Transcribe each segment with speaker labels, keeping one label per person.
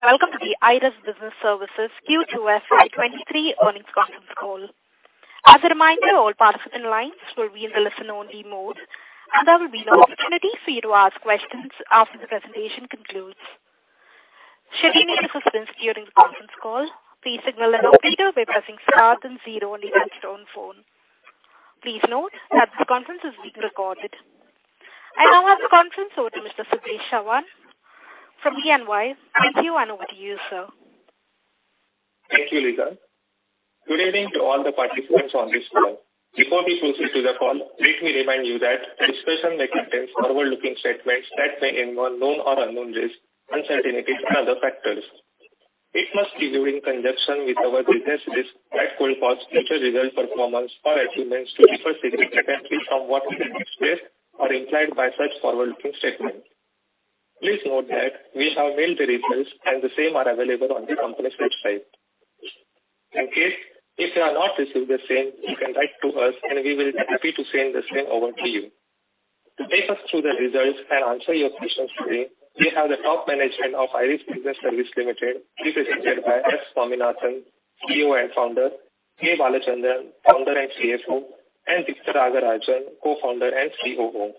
Speaker 1: Welcome to the IRIS Business Services Q2 FY23 earnings conference call. As a reminder, all participant lines will be in the listen-only mode, and there will be an opportunity for you to ask questions after the presentation concludes. Should you need assistance during the conference call, please signal an operator by pressing star then zero on your touchtone phone. Please note that the conference is being recorded. I now hand the conference over to Mr. Siddesh Chawan from E&Y. Thank you. Over to you, sir.
Speaker 2: Thank you, Lisa. Good evening to all the participants on this call. Before we proceed to the call, let me remind you that discussion may contain forward-looking statements that may involve known or unknown risks, uncertainties and other factors. It must be viewed in conjunction with our business risk that could cause future result, performance or achievements to differ significantly from what may be expressed or implied by such forward-looking statements. Please note that we have mailed the results and the same are available on the company's website. In case if you have not received the same, you can write to us and we will be happy to send the same over to you. To take us through the results and answer your questions today, we have the top management of IRIS Business Services Limited represented by S. Swaminathan, CEO and Founder, K. Balachandran, Founder and CFO, and Deepta Rangarajan, Co-Founder and COO.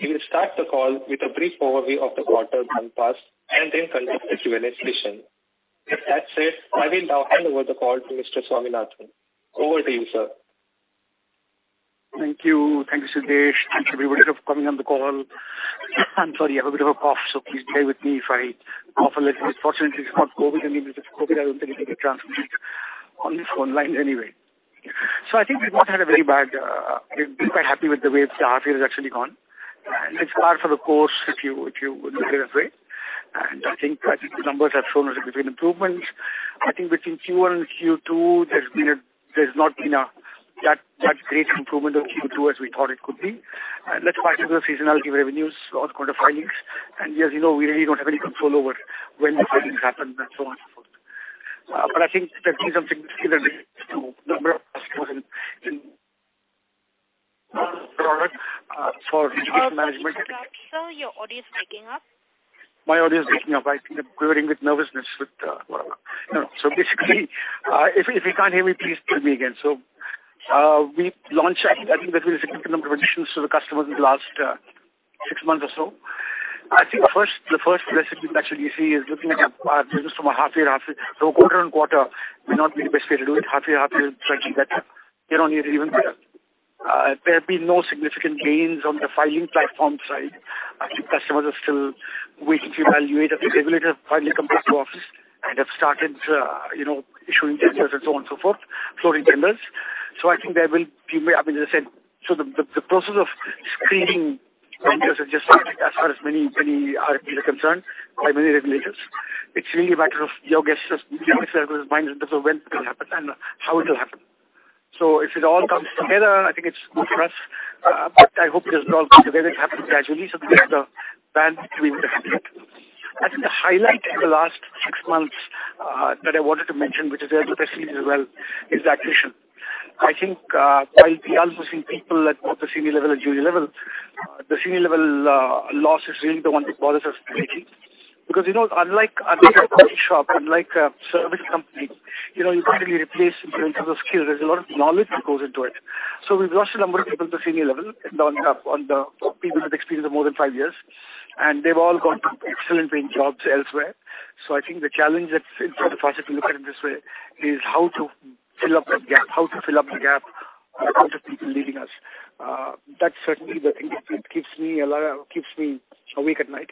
Speaker 2: We will start the call with a brief overview of the quarter gone past and then conduct a Q&A session. With that said, I will now hand over the call to Mr. Swaminathan. Over to you, sir.
Speaker 3: Thank you. Thank you, Siddesh. Thanks everybody for coming on the call. I'm sorry. I have a bit of a cough, so please bear with me if I cough a little. Fortunately, it's not COVID. I mean, if it's COVID, I don't think it'll be transmitted on this phone line anyway. I think we've not had a very bad. We've been quite happy with the way the half year has actually gone. It's par for the course if you look at it that way. I think the numbers have shown us a bit of improvements. I think between Q1 and Q2 there's not been that great improvement of Q2 as we thought it could be. That's part of the seasonality of revenues or court filings. As you know, we really don't have any control over when the filings happen and so on, so forth. But I think there'll be some significant improvements to the number of customers in for litigation management.
Speaker 1: Sir, your audio is breaking up.
Speaker 3: My audio is breaking up. I think I'm quivering with nervousness with whatever. No. Basically, if you can't hear me, please call me again. We launched. I think there's been a significant number of additions to the customers in the last six months or so. I think the first metric we actually see is looking at our business from a half year, half year. Quarter on quarter may not be the best way to do it. Half year, half year is likely better, you know, or even better. There have been no significant gains on the filing platform side. I think customers are still waiting to evaluate if the regulators have finally come back to office and have started, you know, issuing tenders and so on and so forth, floating tenders. I think, as I said. The process of screening vendors has just started as far as many RFPs are concerned by many regulators. It's really a matter of your guess is as good as mine as to when it will happen and how it will happen. If it all comes together, I think it's good for us. But I hope it doesn't all come together, it happens gradually so we get the bandwidth between the two. I think the highlight in the last six months that I wanted to mention, which is there in the press release as well, is the acquisition. I think, while we are losing people at both the senior level and junior level, the senior level loss is really the one that bothers us greatly. Because, you know, unlike a beauty shop, unlike a service company, you know, you can't really replace in terms of skill. There's a lot of knowledge that goes into it. We've lost a number of people at the senior level and on the people with experience of more than five years, and they've all gone to excellent paying jobs elsewhere. I think the challenge that's in front of us, if you look at it this way, is how to fill up that gap. How to fill up the gap with a lot of people leaving us. That's certainly the thing that keeps me awake at night.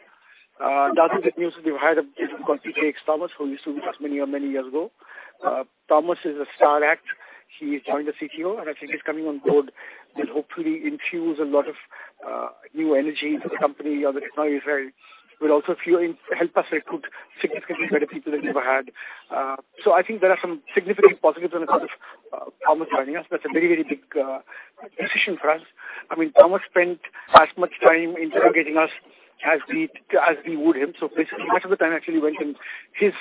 Speaker 3: The other good news is we've hired a person called P.J.X. Thomas, who used to be with us many years ago. Thomas is a star act. He's joined as CTO, and I think he's coming on board will hopefully infuse a lot of new energy into the company on the technology side. Will also help us recruit significantly better people than we've ever had. I think there are some significant positives on account of Thomas joining us. That's a very, very big decision for us. I mean, Thomas spent as much time interrogating us as we would him. Basically much of the time actually went in his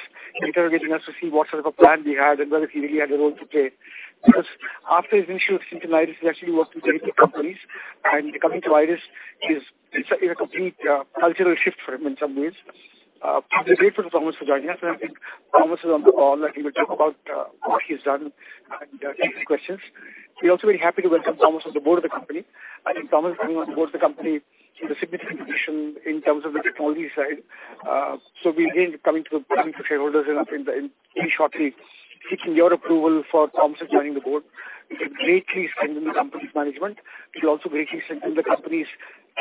Speaker 3: interrogating us to see what sort of a plan we had and whether he really had a role to play. Because after his initial stint in IRIS, he actually worked with 30 companies and coming to IRIS is it's a complete cultural shift for him in some ways. We're grateful to Thomas for joining us, and I think Thomas is on the call and he will talk about what he's done and take some questions. We're also very happy to welcome Thomas to the board of the company. I think Thomas coming on board the company is a significant addition in terms of the technology side. We're again coming to shareholders in shortly seeking your approval for Thomas joining the board. It'll greatly strengthen the company's management. It'll also greatly strengthen the company's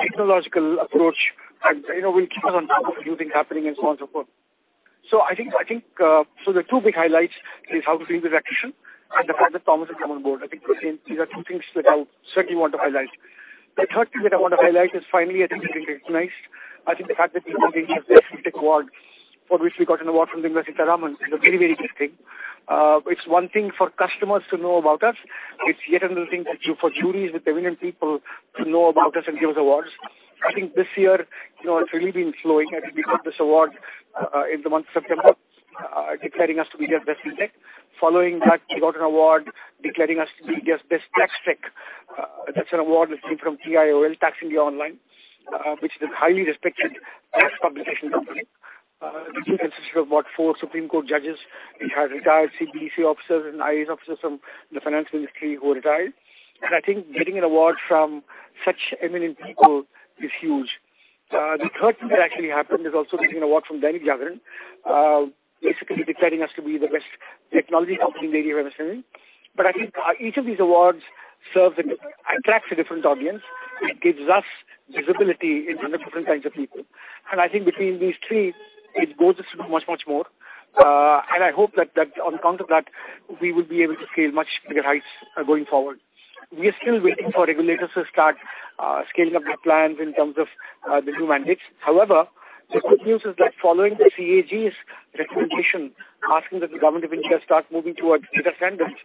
Speaker 3: technological approach. You know, will keep us on top of the new thing happening and so on and so forth. I think so the two big highlights is how we're doing with acquisition and the fact that Thomas has come on board. I think these are two things that I certainly want to highlight. The third thing that I want to highlight is finally I think we've been recognized. I think the fact that we've been given this FinTech award, for which we got an award from Nirmala Sitharaman is a very, very big thing. It's one thing for customers to know about us. It's yet another thing for juries with eminent people to know about us and give us awards. I think this year, you know, it's really been flowing. I think we got this award in the month of September, declaring us to be their best FinTech. Following that, we got an award declaring us to be India's Best Tax Tech. That's an award that came from TIOL, Tax India Online, which is a highly respected tax publication company. The jury consists of about four Supreme Court judges. It has retired CBDT officers and IAS officers from the Finance Ministry who retired. I think getting an award from such eminent people is huge. The third thing that actually happened is also getting an award from Dainik Jagran, basically declaring us to be the best technology company in the year 27. I think each of these awards attracts a different audience and gives us visibility in front of different kinds of people. I think between these three, it bodes us to do much, much more. I hope that on account of that, we will be able to scale much bigger heights going forward. We are still waiting for regulators to start scaling up their plans in terms of the new mandates. However, the good news is that following the CAG's recommendation asking that the Government of India start moving towards data standards,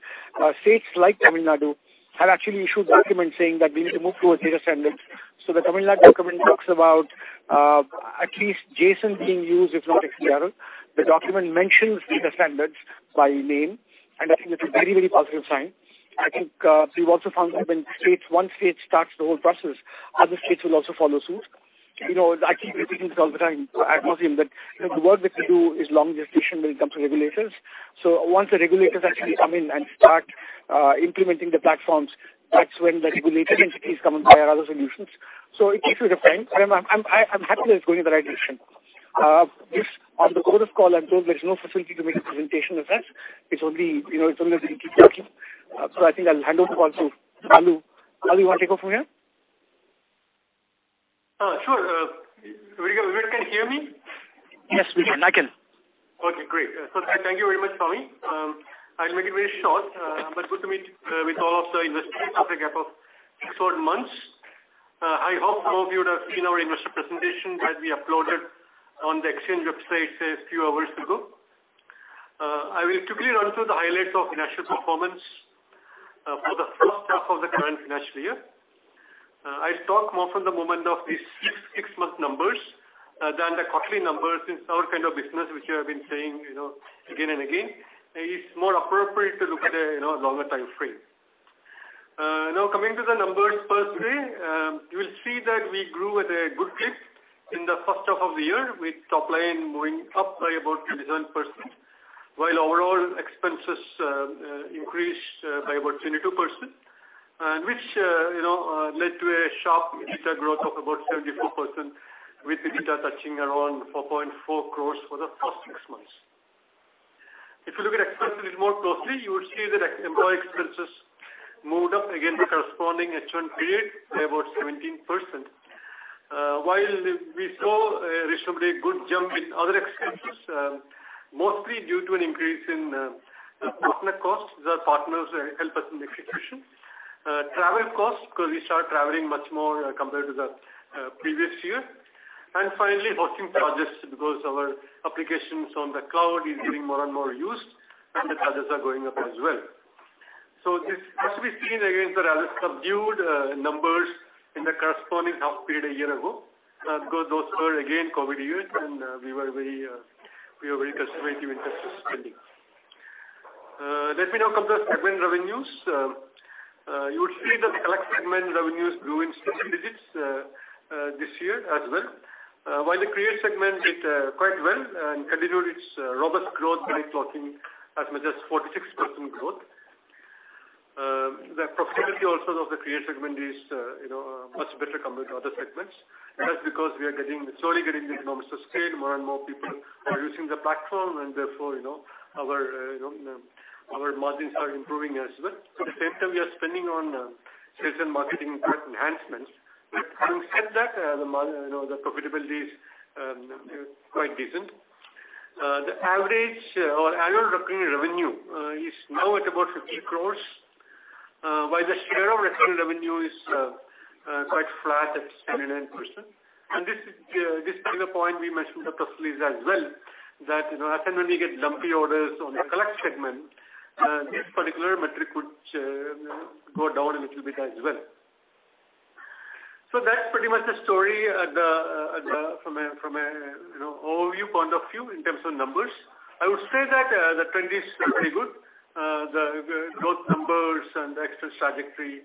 Speaker 3: states like Tamil Nadu have actually issued documents saying that we need to move towards data standards. The Tamil Nadu document talks about at least JSON being used, if not XBRL. The document mentions data standards by name, and I think this is a very, very positive sign. I think we've also found that when one state starts the whole process, other states will also follow suit. You know, I keep repeating this all the time, assuming that you know the work that we do is long gestation when it comes to regulators. Once the regulators actually come in and start implementing the platforms, that's when the regulated entities come and buy our other solutions. It takes a little time. I'm happy that it's going in the right direction. On the course of the call, I'm told there's no facility to make a presentation as such. It's only, you know, it's only a very key function. I think I'll hand over the call to Balu. Balu, you wanna take over from here?
Speaker 4: Sure. Everyone can hear me?
Speaker 3: Yes, we can. I can.
Speaker 4: Okay, great. So thank you very much, Swami. I'll make it very short, but good to meet with all of the investors after a gap of 6 months. I hope all of you would have seen our investor presentation that we uploaded on the exchange website a few hours ago. I will quickly run through the highlights of financial performance for the first half of the current financial year. I'll talk more from the merits of these six-month numbers than the quarterly numbers. In our kind of business, which we have been saying, you know, again and again, it's more appropriate to look at a you know, longer timeframe. Now coming to the numbers firstly, you will see that we grew at a good clip in the first half of the year, with top line moving up by about 37%, while overall expenses increased by about 22%. Which you know led to a sharp EBITDA growth of about 74%, with the EBITDA touching around 4.4 crore for the first six months. If you look at expenses more closely, you will see that employee expenses moved up against the corresponding H1 period by about 17%. While we saw a reasonably good jump in other expenses, mostly due to an increase in partner costs. The partners help us in execution. Travel costs, because we started traveling much more compared to the previous year. Finally, hosting charges, because our applications on the cloud is getting more and more used, and the charges are going up as well. This has to be seen against our rather subdued numbers in the corresponding half period a year ago. Because those were again COVID years and we were very conservative in terms of spending. Let me now come to segment revenues. You would see the Collect segment revenues grew in single digits this year as well. While the Create segment did quite well and continued its robust growth by clocking as much as 46% growth. The profitability also of the Create segment is you know much better compared to other segments. That's because we are slowly getting the economics of scale. More and more people are using the platform and therefore, you know, our, you know, our margins are improving as well. At the same time we are spending on sales and marketing, product enhancements. Having said that, you know, the profitability is quite decent. The average annual recurring revenue is now at about 50 crores. While the share of recurring revenue is quite flat at 79%. This particular of point we mentioned in the press as well. That as and when we get lumpy orders on the Collect segment, this particular metric would go down a little bit as well. So, That's pretty much the story from an overview point of view in terms of numbers. I would say that the trend is pretty good. The growth numbers and trajectory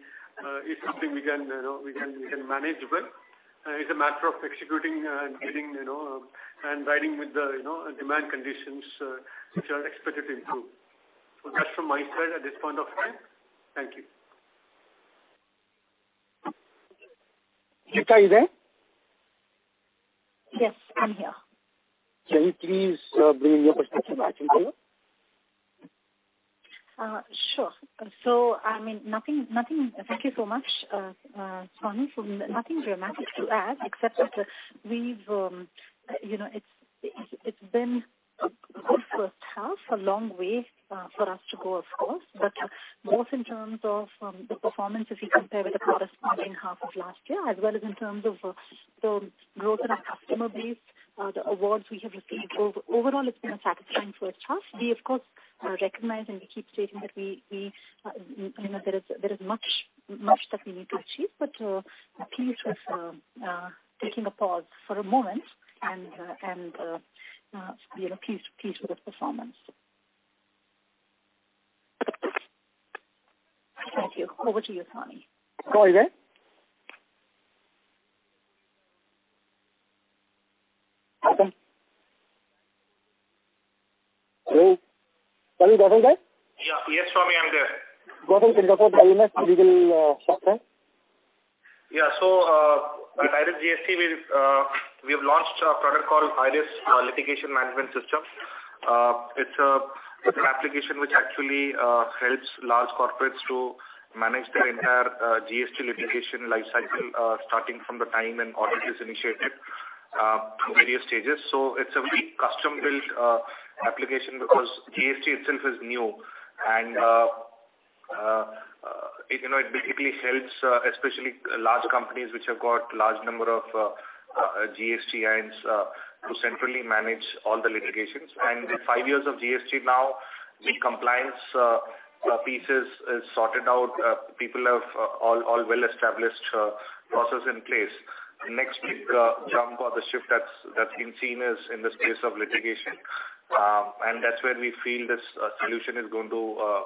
Speaker 4: is something we can manage well. It's a matter of executing, getting, and riding with the demand conditions, which are expected to improve. So, that's from my side at this point of time. Thank you. Deepta, are you there?
Speaker 5: Yes, I'm here.
Speaker 3: Can you please, bring your perspective back into it?
Speaker 5: Sure. I mean, nothing. Thank you so much, Swami. Nothing dramatic to add except that, we've you know it's been a good first half, a long way for us to go, of course. Both in terms of the performance if you compare with the corresponding half of last year, as well as in terms of the growth in our customer base, the awards we have received. Overall, it's been a satisfying first half. We of course recognize and we keep stating that we you know there is much that we need to achieve, pleased with taking a pause for a moment and you know pleased with the performance.
Speaker 1: Thank you. Over to you, Swami.
Speaker 3: Hello. Gautam there?
Speaker 6: Yeah. Yes, Swami, I'm there.
Speaker 3: Gautam, can you talk about the legal software?
Speaker 6: At IRIS GST, we have launched a product called IRIS Litigation Management System. It's an application which actually helps large corporates to manage their entire GST litigation lifecycle, starting from the time an audit is initiated to various stages. It's a very custom-built application because GST itself is new and you know, it basically helps especially large companies which have got large number of GST clients to centrally manage all the litigations. With five years of GST now, the compliance pieces is sorted out. People have all well-established processes in place. The next big jump or the shift that's been seen is in the space of litigation. That's where we feel this solution is going to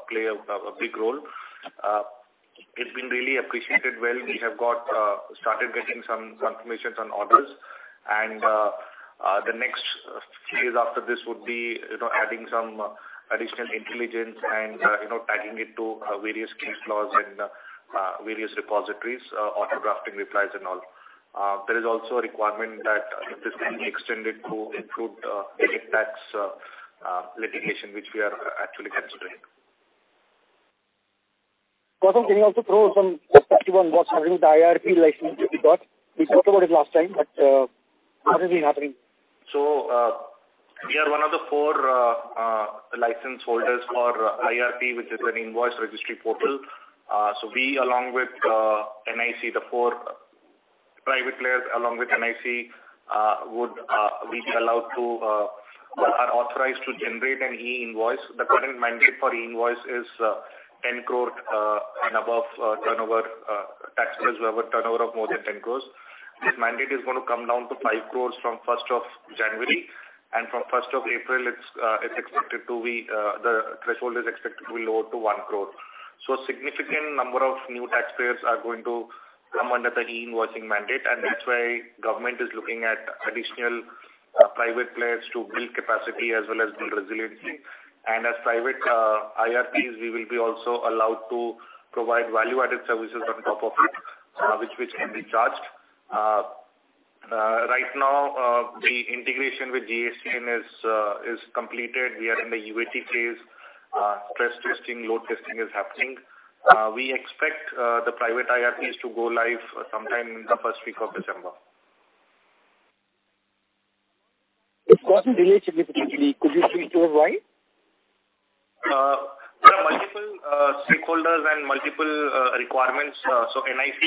Speaker 6: play a big role. It's been really appreciated well. We have got started getting some confirmations on orders. The next phase after this would be, you know, adding some additional intelligence and, you know, tagging it to various case laws and various repositories, auto-drafting replies and all. There is also a requirement that this can be extended to include direct tax litigation, which we are actually considering.
Speaker 3: Gautam, can you also throw some perspective on what's happening with the IRP license that you got? We talked about it last time, but what has been happening?
Speaker 6: We are one of the four license holders for IRP, which is an invoice registry portal. We along with NIC, the four private players along with NIC, would be allowed to or are authorized to generate an E-invoice. The current mandate for E-invoice is 10 crore and above turnover taxpayers who have a turnover of more than 10 crore. This mandate is gonna come down to 5 crore from first of January, and from first of April the threshold is expected to be lowered to 1 crore. A significant number of new taxpayers are going to come under the e-invoicing mandate, and that's why government is looking at additional private players to build capacity as well as build resiliency. As private IRPs, we will be also allowed to provide value-added services on top of it, which can be charged. Right now, the integration with GSTN is completed. We are in the UAT phase. Stress testing, load testing is happening. We expect the private IRPs to go live sometime in the first week of December.
Speaker 3: It's gotten delayed significantly. Could you please tell why?
Speaker 6: There are multiple stakeholders and multiple requirements. NIC,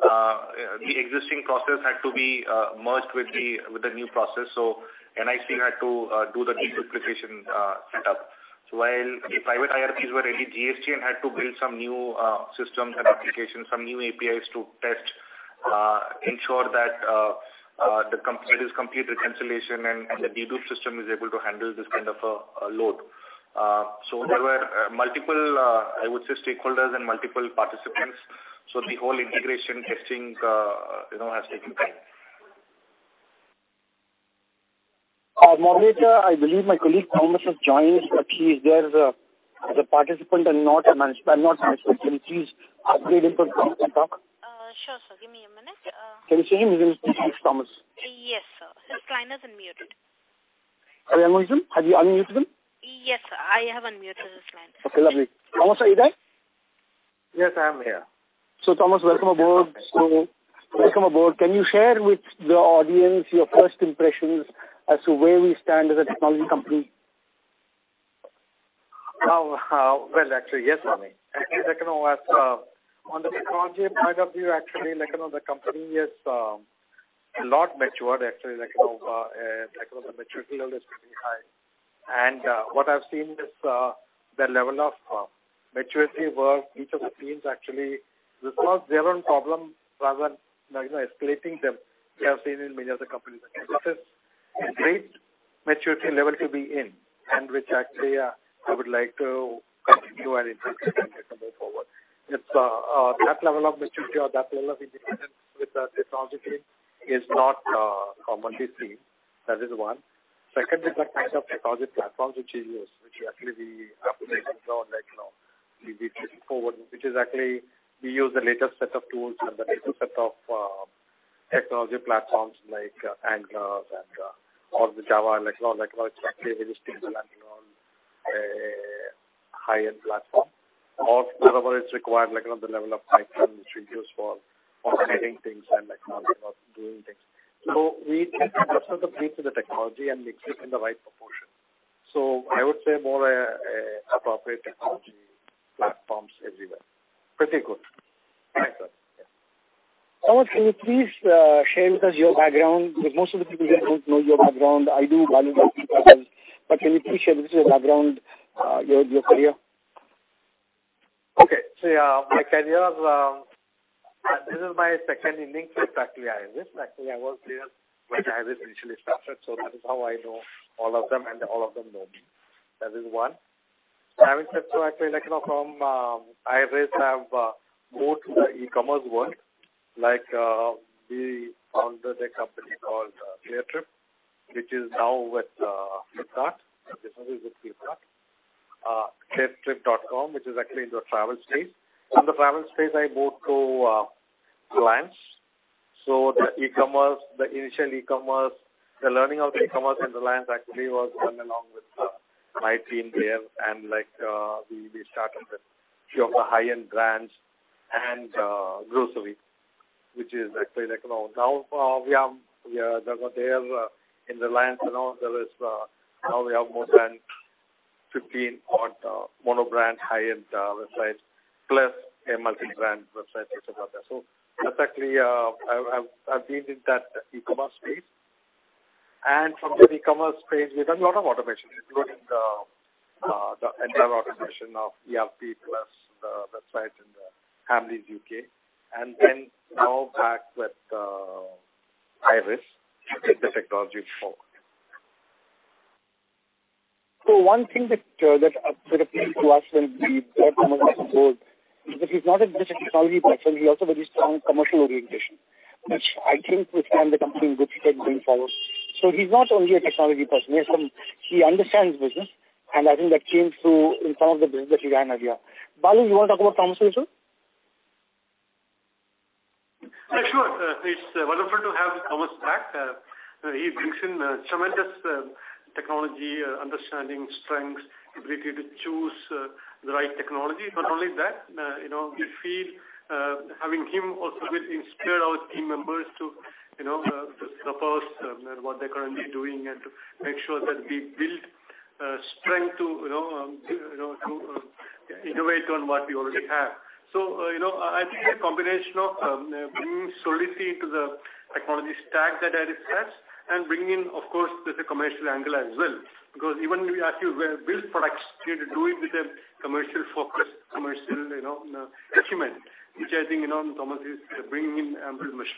Speaker 6: the existing process had to be merged with the new process. NIC had to do the de-duplication setup. While the private IRPs were ready, GSTN had to build some new systems and applications, some new APIs to test, ensure that the complete reconciliation and the de-dupe system is able to handle this kind of a load. There were multiple, I would say, stakeholders and multiple participants. The whole integration testing, you know, has taken time.
Speaker 3: Moderator, I believe my colleague, Thomas, has joined. He's there as a participant and not management. Can you please upgrade him so Thomas can talk?
Speaker 1: Sure, sir. Give me a minute.
Speaker 3: Can you share him? His name is Thomas.
Speaker 1: Yes, sir. His line is unmuted.
Speaker 3: Are you unmuted? Have you unmuted him?
Speaker 1: Yes, I have unmuted his line, sir.
Speaker 3: Okay, lovely. Thomas, are you there?
Speaker 7: Yes, I'm here.
Speaker 3: Thomas, welcome aboard. Can you share with the audience your first impressions as to where we stand as a technology company?
Speaker 7: Well, actually, yes, Swami. Actually, like, you know, as on the technology point of view, actually, like, you know, the company is a lot matured. Actually, like, you know, like, you know, the maturity level is pretty high. What I've seen is the level of maturity where each of the teams actually resolve their own problem rather than, like, you know, escalating them. We have seen in many other companies. This is a great maturity level to be in and which actually I would like to continue and increase it and, like, you know, move forward. It's that level of maturity or that level of independence with the technology is not commonly seen. That is one. Second is the kind of technology platforms which you use, which actually we have to make sure, like, you know, we push forward, which is actually we use the latest set of tools and the latest set of technology platforms like Angular and/or Java, like, you know, like how it's actually released things, like, you know, a high-end platform or whatever is required, like, you know, the level of Python which we use for automating things and, like, you know, doing things. We think that's also the key to the technology and mix it in the right proportion. I would say more appropriate technology platforms everywhere. Pretty good.
Speaker 3: All right, sir. Thomas, can you please share with us your background? Because most of the people here don't know your background. I do value your feedback, but can you please share with us your background, your career?
Speaker 7: Okay. Yeah, my career is, this is my second link with actually IRIS. Actually, I was there when IRIS initially started, so that is how I know all of them and all of them know me. That is one. Having said so actually, like, you know, from IRIS have moved to the e-commerce world. Like, we founded a company called Cleartrip, which is now with Flipkart. Basically, with Flipkart. cleartrip.com, which is actually in the travel space. In the travel space, I moved to brands. The e-commerce, the initial e-commerce, the learning of the e-commerce in the brands actually was done along with my team there. Like, we started with few of the high-end brands and grocery, which is actually like, you know. They have in the brands, you know, there is now we have more than 15 odd monobrand high-end websites, plus a multi-brand website, which is out there. Exactly, I've been in that e-commerce space. From the e-commerce space, we've done a lot of automation, including the entire automation of ERP plus the sites in the Hamleys U.K. Then now back with IRIS with the technology focus.
Speaker 3: One thing that appealed to us when we got Thomas on board is that he's not just a technology person, he also very strong commercial orientation, which I think will stand the company in good stead going forward. He's not only a technology person, he understands business, and I think that came through in some of the business that he ran earlier. Balu, you wanna talk about Thomas a little?
Speaker 4: Yeah, sure. It's wonderful to have Thomas back. He brings in tremendous technology understanding strengths, ability to choose the right technology. Not only that, you know, we feel having him also will inspire our team members to, you know, to surpass what they're currently doing and to make sure that we build strength to, you know, to innovate on what we already have. You know, I think a combination of bringing solidity to the technology stack that IRIS has and bringing, of course, with a commercial angle as well. Because even as you build products, you need to do it with a commercial focus, commercial, you know, acumen, which I think, you know, Thomas is bringing in abundance.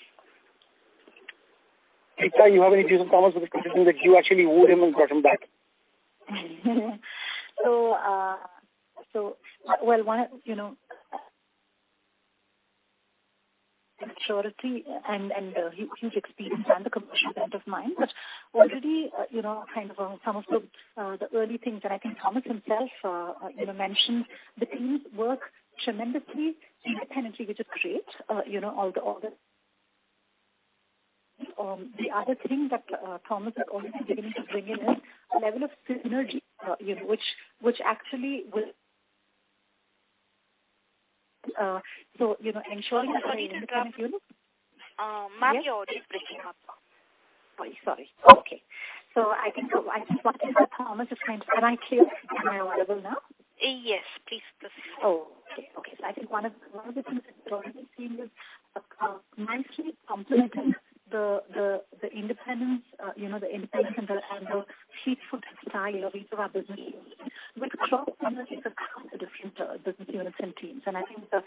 Speaker 3: Deepta, you have any views on Thomas with the position that you actually wooed him and got him back?
Speaker 5: Maturity and he is experienced and the commercial acumen in mind. Already, you know, kind of, some of the early things that I think Thomas himself, you know, mentioned, the teams work tremendously independently, which is great. The other thing that Thomas is also beginning to bring in is a level of synergy, you know, which actually will ensure.
Speaker 1: Sorry to interrupt. Ma'am, your audio is breaking up.
Speaker 5: Very sorry. Okay. I think one thing that Thomas is trying. Am I clear? Am I audible now?
Speaker 1: Yes, please proceed.
Speaker 5: Oh, okay. Okay. I think one of the things that Thomas has seen is nicely complementing the independence, you know, the independence and the fruitful style of each of our business units with cross-pollination across the different business units and teams. I think that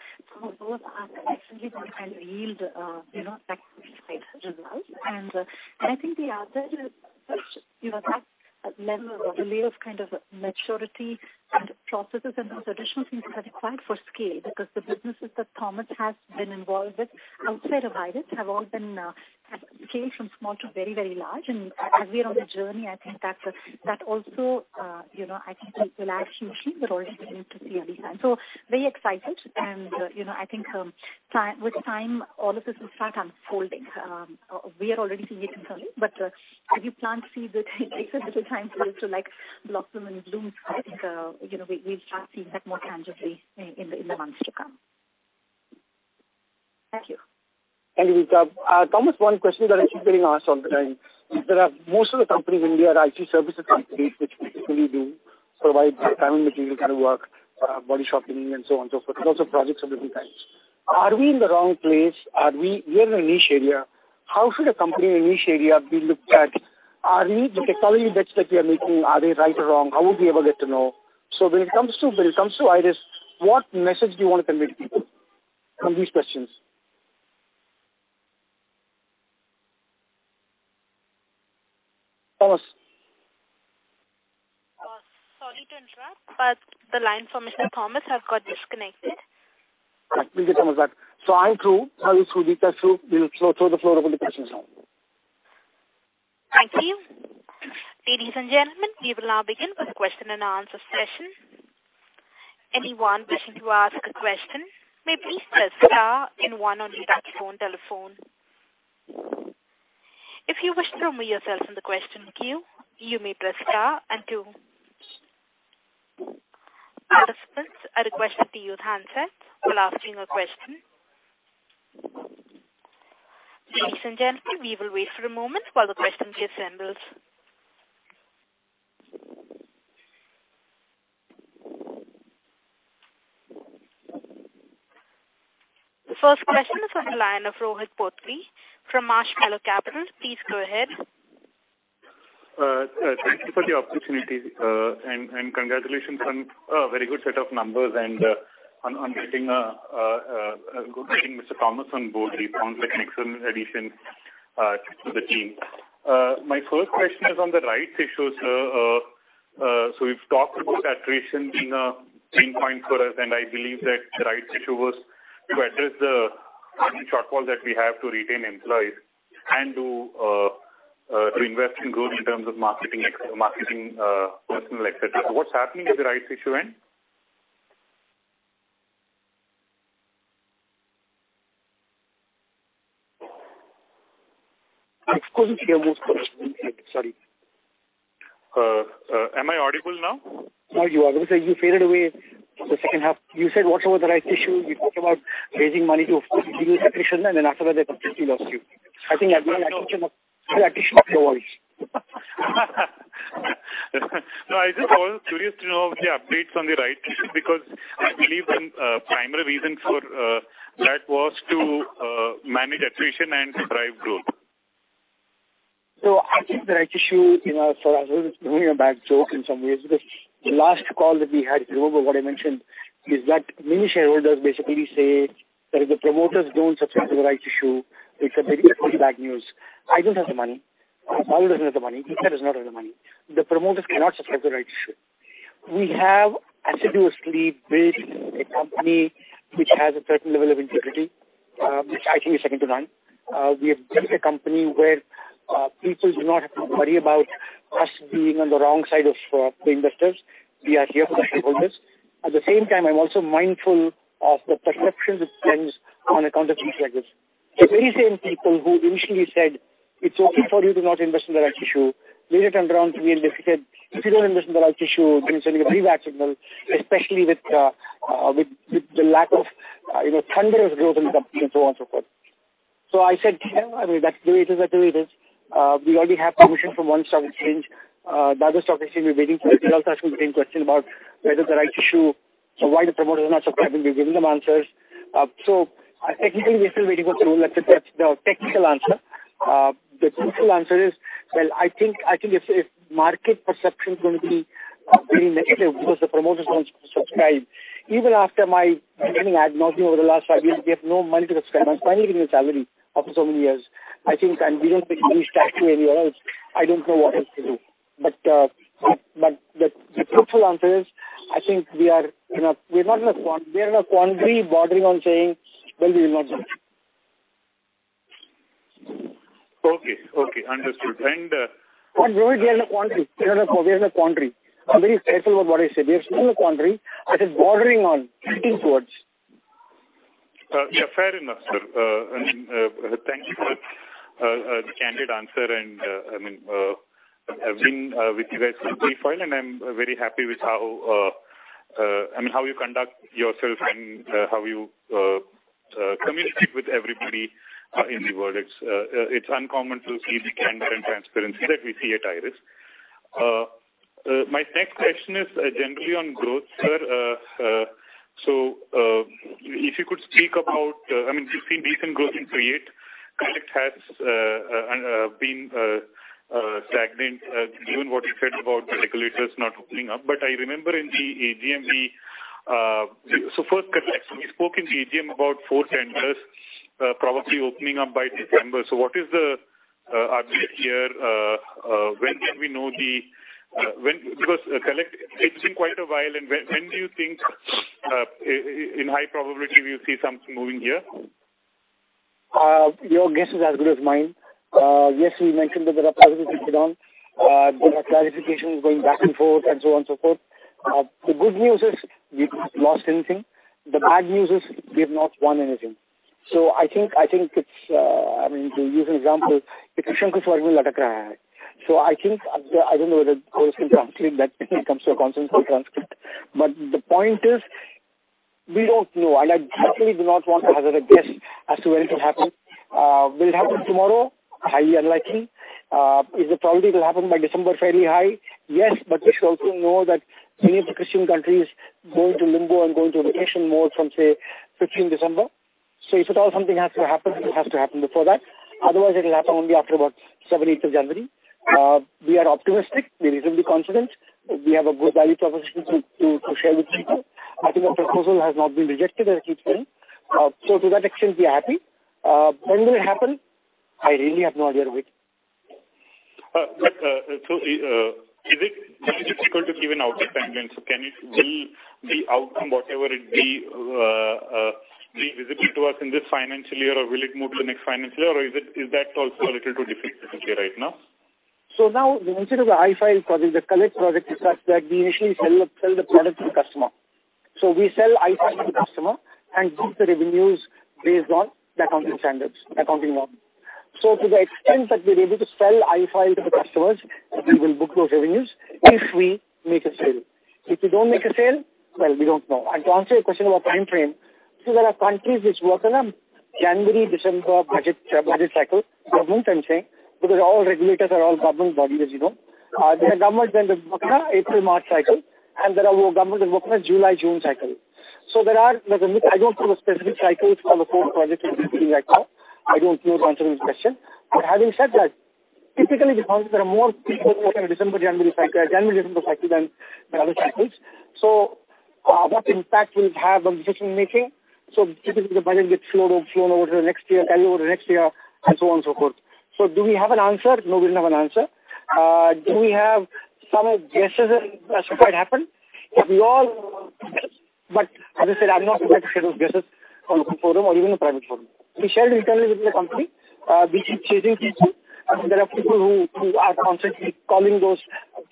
Speaker 5: those are definitely gonna yield, you know, excellent results. I think the other is that, you know, that level or the layer of kind of maturity and processes and those additional things that are required for scale. Because the businesses that Thomas has been involved with outside of IRIS have all scaled from small to very, very large. As we are on the journey, I think that also, you know, I think the large machines are already beginning to see early signs. Very excited. You know, I think with time, all of this will start unfolding. We are already seeing it internally, but as you plant seeds, it takes a little time for it to like blossom and bloom. I think you know, we start seeing that more tangibly in the months to come. Thank you.
Speaker 3: Thank you, Deepta. Thomas, one question that I keep getting asked all the time is that most of the companies in India are IT services companies, which basically do provide time and material kind of work, body shopping and so on, so forth, lots of projects of different kinds. Are we in the wrong place? We are in a niche area. How should a company in a niche area be looked at? The technology bets that we are making, are they right or wrong? How would we ever get to know? When it comes to IRIS, what message do you wanna convey to people on these questions? Thomas?
Speaker 1: Sorry to interrupt, but the line from Mr. Thomas has got disconnected.
Speaker 3: Right. We'll get Thomas back. I'm through. [Now it's Sudita through.] We'll throw the floor open to questions now.
Speaker 1: Thank you. Ladies and gentlemen, we will now begin with the question and answer session. Anyone wishing to ask a question may please press star and one on your touchtone telephone. If you wish to remove yourself from the question queue, you may press star and two. Participants, I request that you use handsets while asking a question. Ladies and gentlemen, we will wait for a moment while the question queue assembles. The first question is on the line of Rohith Potti from Marshmallow Capital. Please go ahead.
Speaker 8: Thank you for the opportunity, and congratulations on a very good set of numbers and on getting Mr. Thomas on board. He sounds like an excellent addition to the team. My first question is on the rights issue, sir. We've talked about attrition being a pain point for us, and I believe that the rights issue was to address the funding shortfall that we have to retain employees and to invest in growth in terms of marketing, ex-marketing personnel, et cetera. What's happening with the rights issue end?
Speaker 3: I couldn't hear most of that. Sorry.
Speaker 8: Am I audible now?
Speaker 3: Now you are. Because you faded away the second half. You said what about the rights issue? You talked about raising money to, of course, deal with attrition, and then after that I completely lost you. I think attrition of your voice.
Speaker 8: No, I just was curious to know the updates on the rights issue because I believe one primary reason for that was to manage attrition and to drive growth.
Speaker 3: I think the rights issue, you know, for us, it was really a bad joke in some ways, because the last call that we had, if you remember what I mentioned, is that many shareholders basically say that if the promoters don't subscribe to the rights issue, it's a very, very bad news. I don't have the money. Rahul doesn't have the money. Deepta does not have the money. The promoters cannot subscribe the rights issue. We have assiduously built a company which has a certain level of integrity, which I think is second to none. We have built a company where people do not have to worry about us being on the wrong side of the investors. We are here for the shareholders. At the same time, I'm also mindful of the perception that stems on account of things like this. The very same people who initially said, "It's okay for you to not invest in the rights issue," later turned around to me and they said, "If you don't invest in the rights issue, then it's going to be a very bad signal, especially with the lack of, you know, thunderous growth in the company," and so on and so forth. I said, "Yeah, I mean, that's the way it is." We already have permission from one stock exchange. The other stock exchange we're waiting for. They're also asking the same question about whether the rights issue. Why the promoters are not subscribing, we're giving them answers. Technically we are still waiting for the rule, that's the technical answer. The truthful answer is, well, I think if market perception is going to be very negative because the promoters won't subscribe, even after my beginning, I had not been over the last five years, we have no money to subscribe. I'm finally getting a salary after so many years. I think, and we don't take any salary anywhere else. I don't know what else to do. The truthful answer is, I think we are not in a quandary. We are in a quandary bordering on saying, "Well, we will not subscribe.
Speaker 8: Okay. Understood.
Speaker 3: Really we are in a quandary. We are in a quandary. I'm very careful about what I say. We are still in a quandary. I said bordering on, tilting towards.
Speaker 8: Yeah, fair enough, sir. Thank you for the candid answer and, I mean, I've been with you guys since day one, and I'm very happy with how, I mean, how you conduct yourself and, how you communicate with everybody in the world. It's uncommon to see the candor and transparency that we see at IRIS. My next question is generally on growth, sir. If you could speak about, I mean, we've seen decent growth in Create. Collect has been stagnant, given what you said about the regulators not opening up. I remember in the AGM, we first context. We spoke in the AGM about four tenders, probably opening up by December. What is the update here? Because Collect, it's been quite a while, and when do you think in high probability will you see something moving here?
Speaker 3: Your guess is as good as mine. Yes, we mentioned that there are tenders issued on, there are clarifications going back and forth and so on and so forth. The good news is we've not lost anything. The bad news is we've not won anything. I think it's, I mean, to use an example, I think, I don't know whether it corresponds completely, but it comes to a consensus in transcript. The point is, we don't know, and I definitely do not want to hazard a guess as to when it will happen. Will it happen tomorrow? Highly unlikely. Is the probability it will happen by December fairly high? Yes. We should also know that many of the Christian countries go into limbo and go into vacation mode from, say, fifteenth December. If at all something has to happen, it has to happen before that. Otherwise, it'll happen only after about 7th or 8th of January. We are optimistic. We reasonably confident. We have a good value proposition to share with people. I think our proposal has not been rejected at this point. To that extent, we are happy. When will it happen? I really have no idea, Rohith.
Speaker 8: Is it difficult to give an outright timeline? Will the outcome, whatever it be visible to us in this financial year, or will it move to the next financial year, or is that also a little too difficult to say right now?
Speaker 3: Now instead of the iFile project, the Collect project is such that we initially sell the product to the customer. We sell iFile to the customer and book the revenues based on the accounting standards, accounting norm. To the extent that we're able to sell iFile to the customers, we will book those revenues if we make a sale. If we don't make a sale, well, we don't know. To answer your question about timeframe, see there are countries which work on a January, December budget cycle. Governments, I'm saying, because all regulators are all government bodies, as you know. There are governments that work on a April-March cycle, and there are governments that work on a July-June cycle. I don't know the specific cycles for the four projects that you're seeing right now. I don't know the answer to this question. Having said that, typically the projects that are more people working in January, December cycle than the other cycles. What impact will it have on decision-making? Typically the budget gets flown over to the next year, carry over to next year and so on, so forth. Do we have an answer? No, we don't have an answer. Do we have some guesses as to what happened? Yes, we all. As I said, I'm not at liberty to share those guesses on the forum or even a private forum. We shared internally within the company, this is chasing case two. I mean, there are people who are constantly calling those.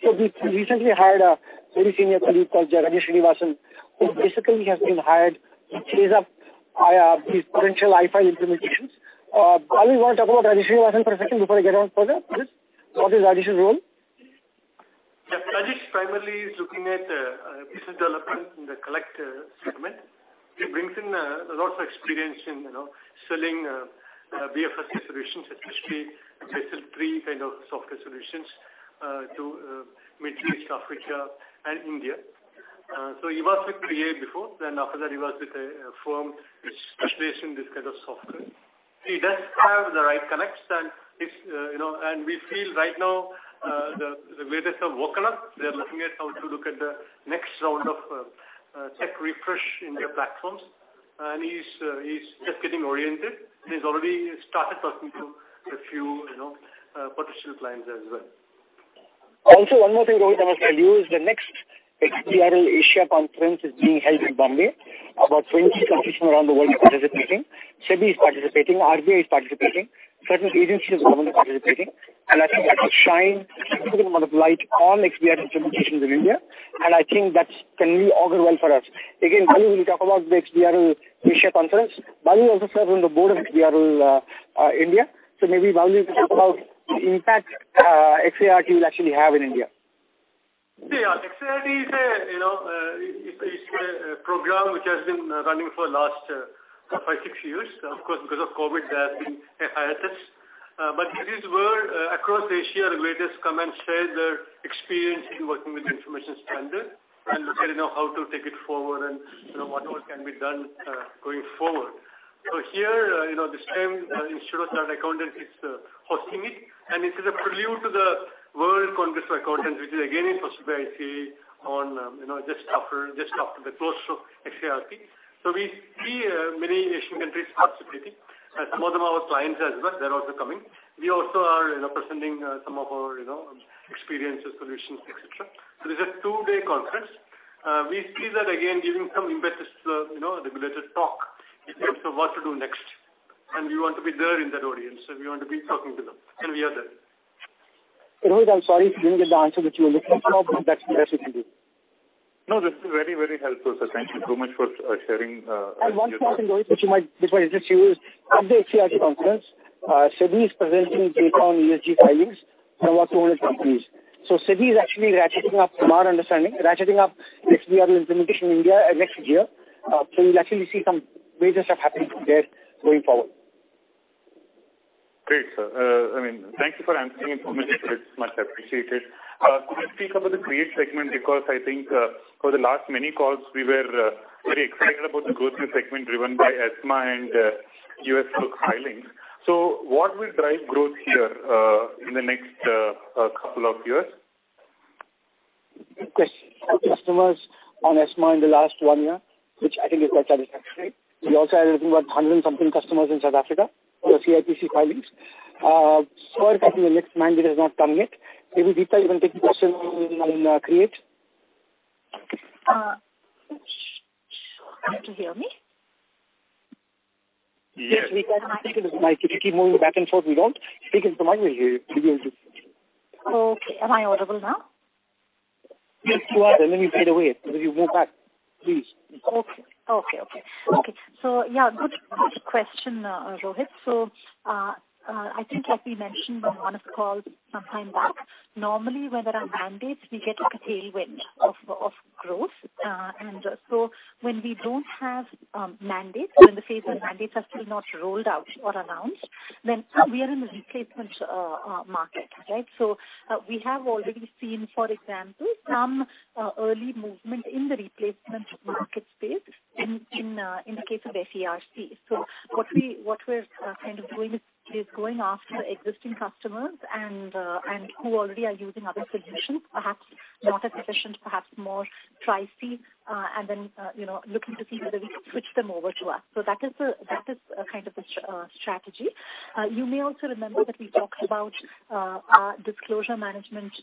Speaker 3: We recently hired a very senior colleague called Rajesh Srinivasan, who basically has been hired to chase up these potential IFI implementations. Balu, you wanna talk about Rajesh Srinivasan for a second before I get on further? Please. What is Rajesh's role?
Speaker 4: Yeah. Rajesh primarily is looking at business development in the Collect segment. He brings in lots of experience in, you know, selling BFSI solutions, especially special three kind of software solutions to Middle East, Africa and India. He was with CA before then after that he was with a firm which specialize in this kind of software. He does have the right connections and he's, you know, and we feel right now the regulators have woken up. They're looking at how to look at the next round of tech refresh in their platforms. He's just getting oriented. He's already started talking to a few, you know, potential clients as well.
Speaker 3: One more thing, Rohith, I must tell you, is the next XBRL Asia conference is being held in Bombay. About 20 countries from around the world are participating. SEBI is participating, RBI is participating, certain agencies of the government are participating, and I think that will shine a significant amount of light on XBRL implementations in India, and I think that can really augur well for us. Again, Balu will talk about the XBRL Asia conference. Balu also serves on the board of XBRL India. Maybe, Balu can talk about the impact XBRL will actually have in India.
Speaker 4: Yeah. XBRL is a, you know, it's a program which has been running for last five, six years. Of course, because of COVID, there has been a hiatus. It is where, across Asia, regulators come and share their experience in working with information standard and looking at how to take it forward and, you know, what more can be done, going forward. Here, you know, this time Institute of Chartered Accountants is hosting it, and this is a prelude to the World Congress of Accountants, which is again in September, I think, on, you know, just after the close of Xert. We see many Asian countries participating. Some of them are our clients as well. They're also coming. We also are representing some of our, you know, experiences, solutions, et cetera. This is a two-day conference. We see that again giving some impetus to, you know, the regulated talk in terms of what to do next. We want to be there in that audience, and we want to be talking to them, and we are there.
Speaker 3: Rohith, I'm sorry if you didn't get the answer that you were looking for, but that's the best we can do.
Speaker 8: No, this is very, very helpful, sir. Thank you so much for sharing [XBRL.]
Speaker 3: One small thing, Rohith, which might interest you is at the XBRL Conference, SEBI is presenting data on ESG filings from about 200 companies. SEBI is actually ratcheting up, from our understanding, XBRL implementation in India next year. We'll actually see some major stuff happening from there going forward.
Speaker 8: Great, sir. I mean, thank you for answering in full measure. It's much appreciated. Could you speak about the Create segment? Because I think, for the last many calls, we were very excited about the growth in the segment driven by ESMA and U.S. filings. What will drive growth here in the next couple of years?
Speaker 3: Good question. For customers on ESMA in the last 1 year, which I think is quite satisfactory. We also have I think about 100 and something customers in South Africa for CIPC filings. So, I think the next mandate has not come yet. Maybe, Deepta, you can take the question on Create.
Speaker 5: Can you hear me?
Speaker 8: Yes.
Speaker 3: Yes, we can. Deepta, the mic, if you keep moving back and forth, we don't. Speak into the mic, we'll hear you.
Speaker 5: Okay. Am I audible now?
Speaker 3: Yes, you are. Let me fade away. Maybe move back, please.
Speaker 5: Yeah, good question, Rohith. I think as we mentioned on one of the calls some time back, normally when there are mandates, we get like a tailwind of growth. When we don't have mandates or in the phase where mandates are still not rolled out or announced, then we are in the replacement market, right? What we're kind of doing is going after existing customers and who already are using other solutions, perhaps not as efficient, perhaps more pricey, and then you know, looking to see whether we can switch them over to us. That is kind of the strategy. You may also remember that we talked about our disclosure management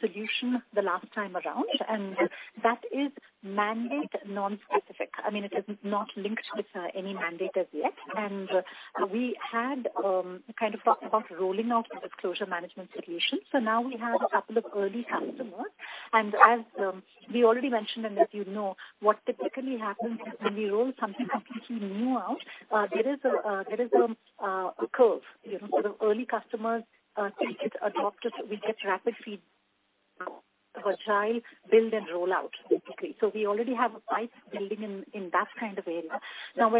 Speaker 5: solution the last time around, and that is mandate non-specific. I mean, it is not linked with any mandate as yet. We had kind of talked about rolling out the disclosure management solution. Now we have a couple of early customers. As we already mentioned, and as you know, what typically happens is when we roll something completely new out, there is a curve. The early customers take it, adopt it, we get rapid feedback, agile build and roll out basically. We already have a pipeline building in that kind of area. Now,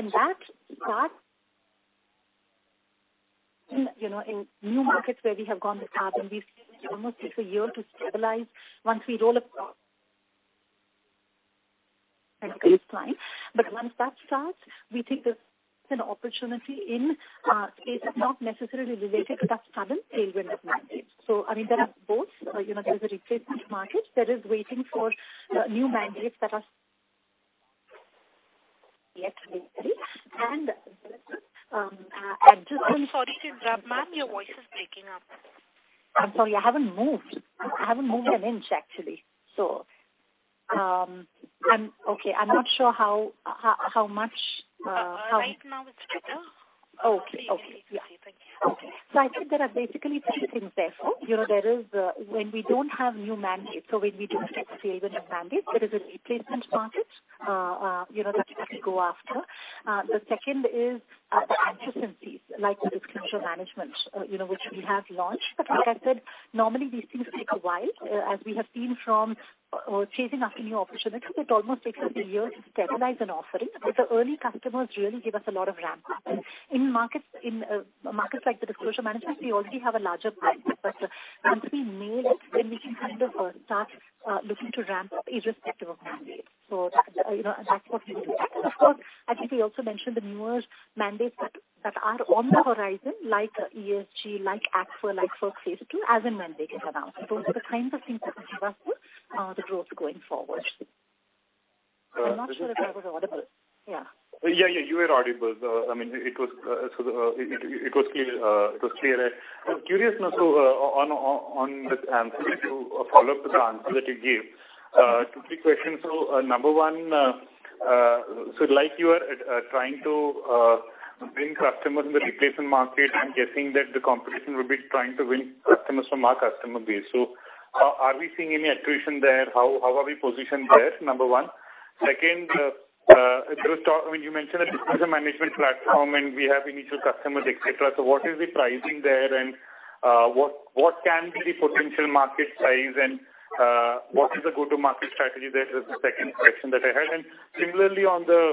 Speaker 5: when that you know, in new markets where we have gone with CARBON, we've seen it almost takes a year to stabilize once we roll across. Once that starts, we think there's an opportunity in cases not necessarily related to that sudden tailwind of mandates. I mean, there are both. You know, there is a replacement market that is waiting for new mandates that are.
Speaker 1: I'm sorry to interrupt, ma'am. Your voice is breaking up.
Speaker 5: I'm sorry. I haven't moved. I haven't moved an inch, actually. I'm not sure how much.
Speaker 1: Right now it's better.
Speaker 5: Okay. Yeah.
Speaker 1: Thank you.
Speaker 5: Okay. I think there are basically three things there. You know, there is when we don't have new mandates, so when we don't have tailwind of mandates, there is a replacement market, you know, that we can go after. The second is the adjacencies, like the disclosure management, you know, which we have launched. Like I said, normally these things take a while. As we have seen from chasing after new opportunities, it almost takes us a year to stabilize an offering. The early customers really give us a lot of ramp-up. In markets like the disclosure management, we already have a larger client base. Once we nail it, then we can kind of start looking to ramp up irrespective of mandate. That, you know, and that's what we will do. Of course, I think we also mentioned the newer mandates that are on the horizon, like ESG, like ACFR, like SOC Phase II, as and when they get announced. Those are the kinds of things that will give us the growth going forward. I'm not sure if that was audible. Yeah.
Speaker 8: Yeah, you were audible. I mean, it was clear. It was clear. I'm curious now. A follow-up to the answer that you gave. Two, three questions. Number one, so like you are trying to bring customers in the replacement market, I'm guessing that the competition will be trying to win customers from our customer base. So are we seeing any attrition there? How are we positioned there? Number one. Second, there was talk. When you mentioned the disclosure management platform and we have initial customers, et cetera. So what is the pricing there? And what can be the potential market size? And what is the go-to-market strategy there? That's the second question that I had. Similarly, on the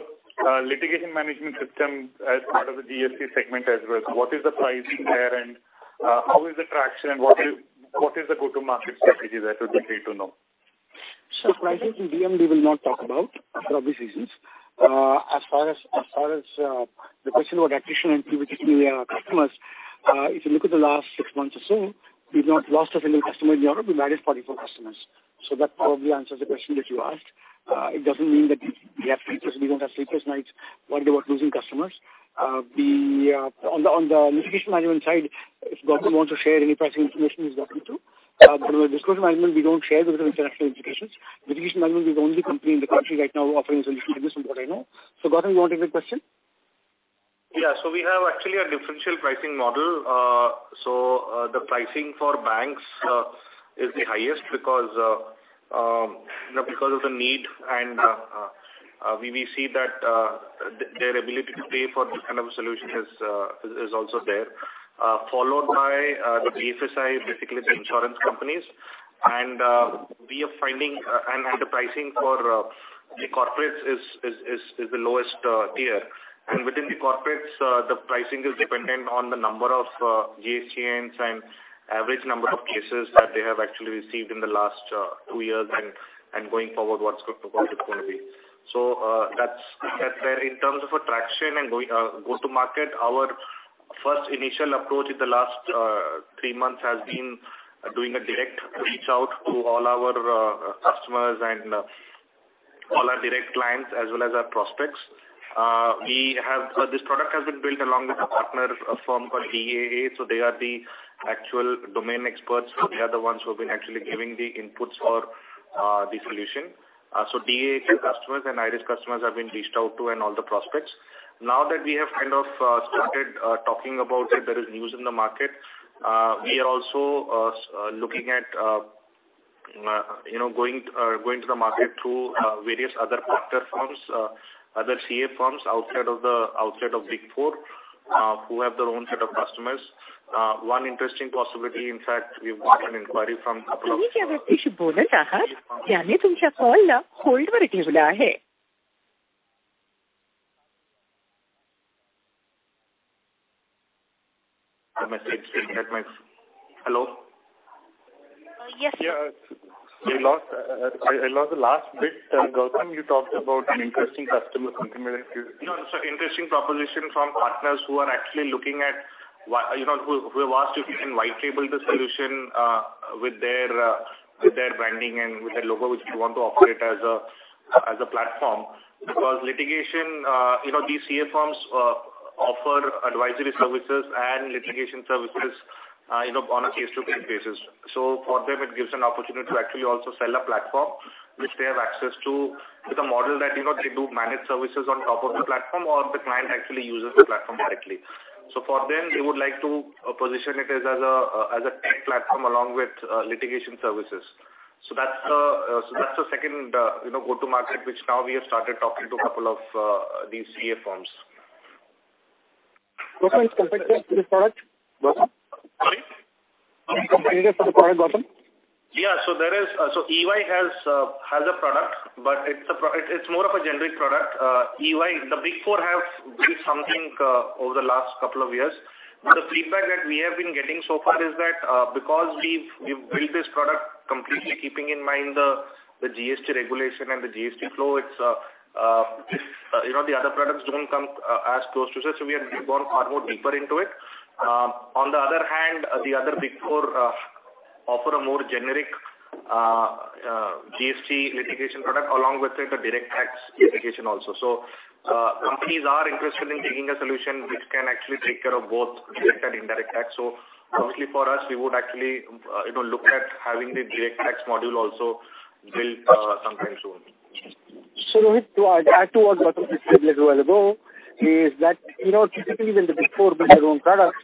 Speaker 8: litigation management system as part of the GST segment as well, what is the pricing there and how is the traction and what is the go-to-market strategy there? That we'll be keen to know.
Speaker 3: Pricing in DM, we will not talk about for obvious reasons. As far as the question about attrition and who we are losing our customers, if you look at the last six months or so, we've not lost a single customer. We added 44 customers. That probably answers the question that you asked. It doesn't mean that we don't have sleepless nights worrying about losing customers. On the litigation management side, if Gautam wants to share any pricing information, he's welcome to. On the disclosure management, we don't share because of intellectual implications. Litigation management, we are the only company in the country right now offering a solution like this from what I know. Gautam, you want to take the question?
Speaker 6: Yeah. We have actually a differential pricing model. The pricing for banks is the highest because, you know, because of the need and we see that their ability to pay for this kind of solution is also there. Followed by the BFSI, basically the insurance companies. We are finding the pricing for the corporates is the lowest tier. Within the corporates, the pricing is dependent on the number of GSTINs and average number of cases that they have actually received in the last two years and going forward, what it's going to be. That's there. In terms of traction and go to market, our first initial approach in the last three months has been doing a direct reach out to all our customers and all our direct clients as well as our prospects. This product has been built along with a partner firm called DAA. They are the actual domain experts. They are the ones who have been actually giving the inputs for the solution. DAA customers and IRIS customers have been reached out to and all the prospects. Now that we have kind of started talking about it, there is news in the market. We are also looking at, you know, going to the market through various other partner firms, other CA firms outside of Big Four, who have their own set of customers. One interesting possibility, in fact, we've got an inquiry from a couple of. Am I still on? Can you hear me? Hello?
Speaker 1: Yes.
Speaker 3: Yeah. I lost the last bit. Gautam, you talked about an interesting customer continuity.
Speaker 6: No, interesting proposition from partners who are actually looking at. You know, who have asked if we can white label the solution with their branding and with their logo, which we want to operate as a platform. Because litigation, you know, these CA firms offer advisory services and litigation services, you know, on a case-to-case basis. For them, it gives an opportunity to actually also sell a platform which they have access to with a model that, you know, they do managed services on top of the platform, or the client actually uses the platform directly. For them, they would like to position it as a tech platform along with litigation services. That's the second, you know, go-to-market, which now we have started talking to a couple of these CA firms.
Speaker 3: Gautam, competitors to this product? Gautam? Can you just go to Gautam?
Speaker 6: Yeah. EY has a product, but it's more of a generic product. EY, the Big Four have built something over the last couple of years. The feedback that we have been getting so far is that, because we've built this product completely keeping in mind the GST regulation and the GST flow, it's, you know, the other products don't come as close to this. We have gone far more deeper into it. On the other hand, the other Big Four offer a more generic GST litigation product along with it, the direct tax litigation also. Companies are interested in taking a solution which can actually take care of both direct and indirect tax. Obviously for us, we would actually, you know, look at having the direct tax module also built sometime soon.
Speaker 3: Rohith, to add to what Gautam has said little while ago, is that, you know, typically when the Big Four build their own products,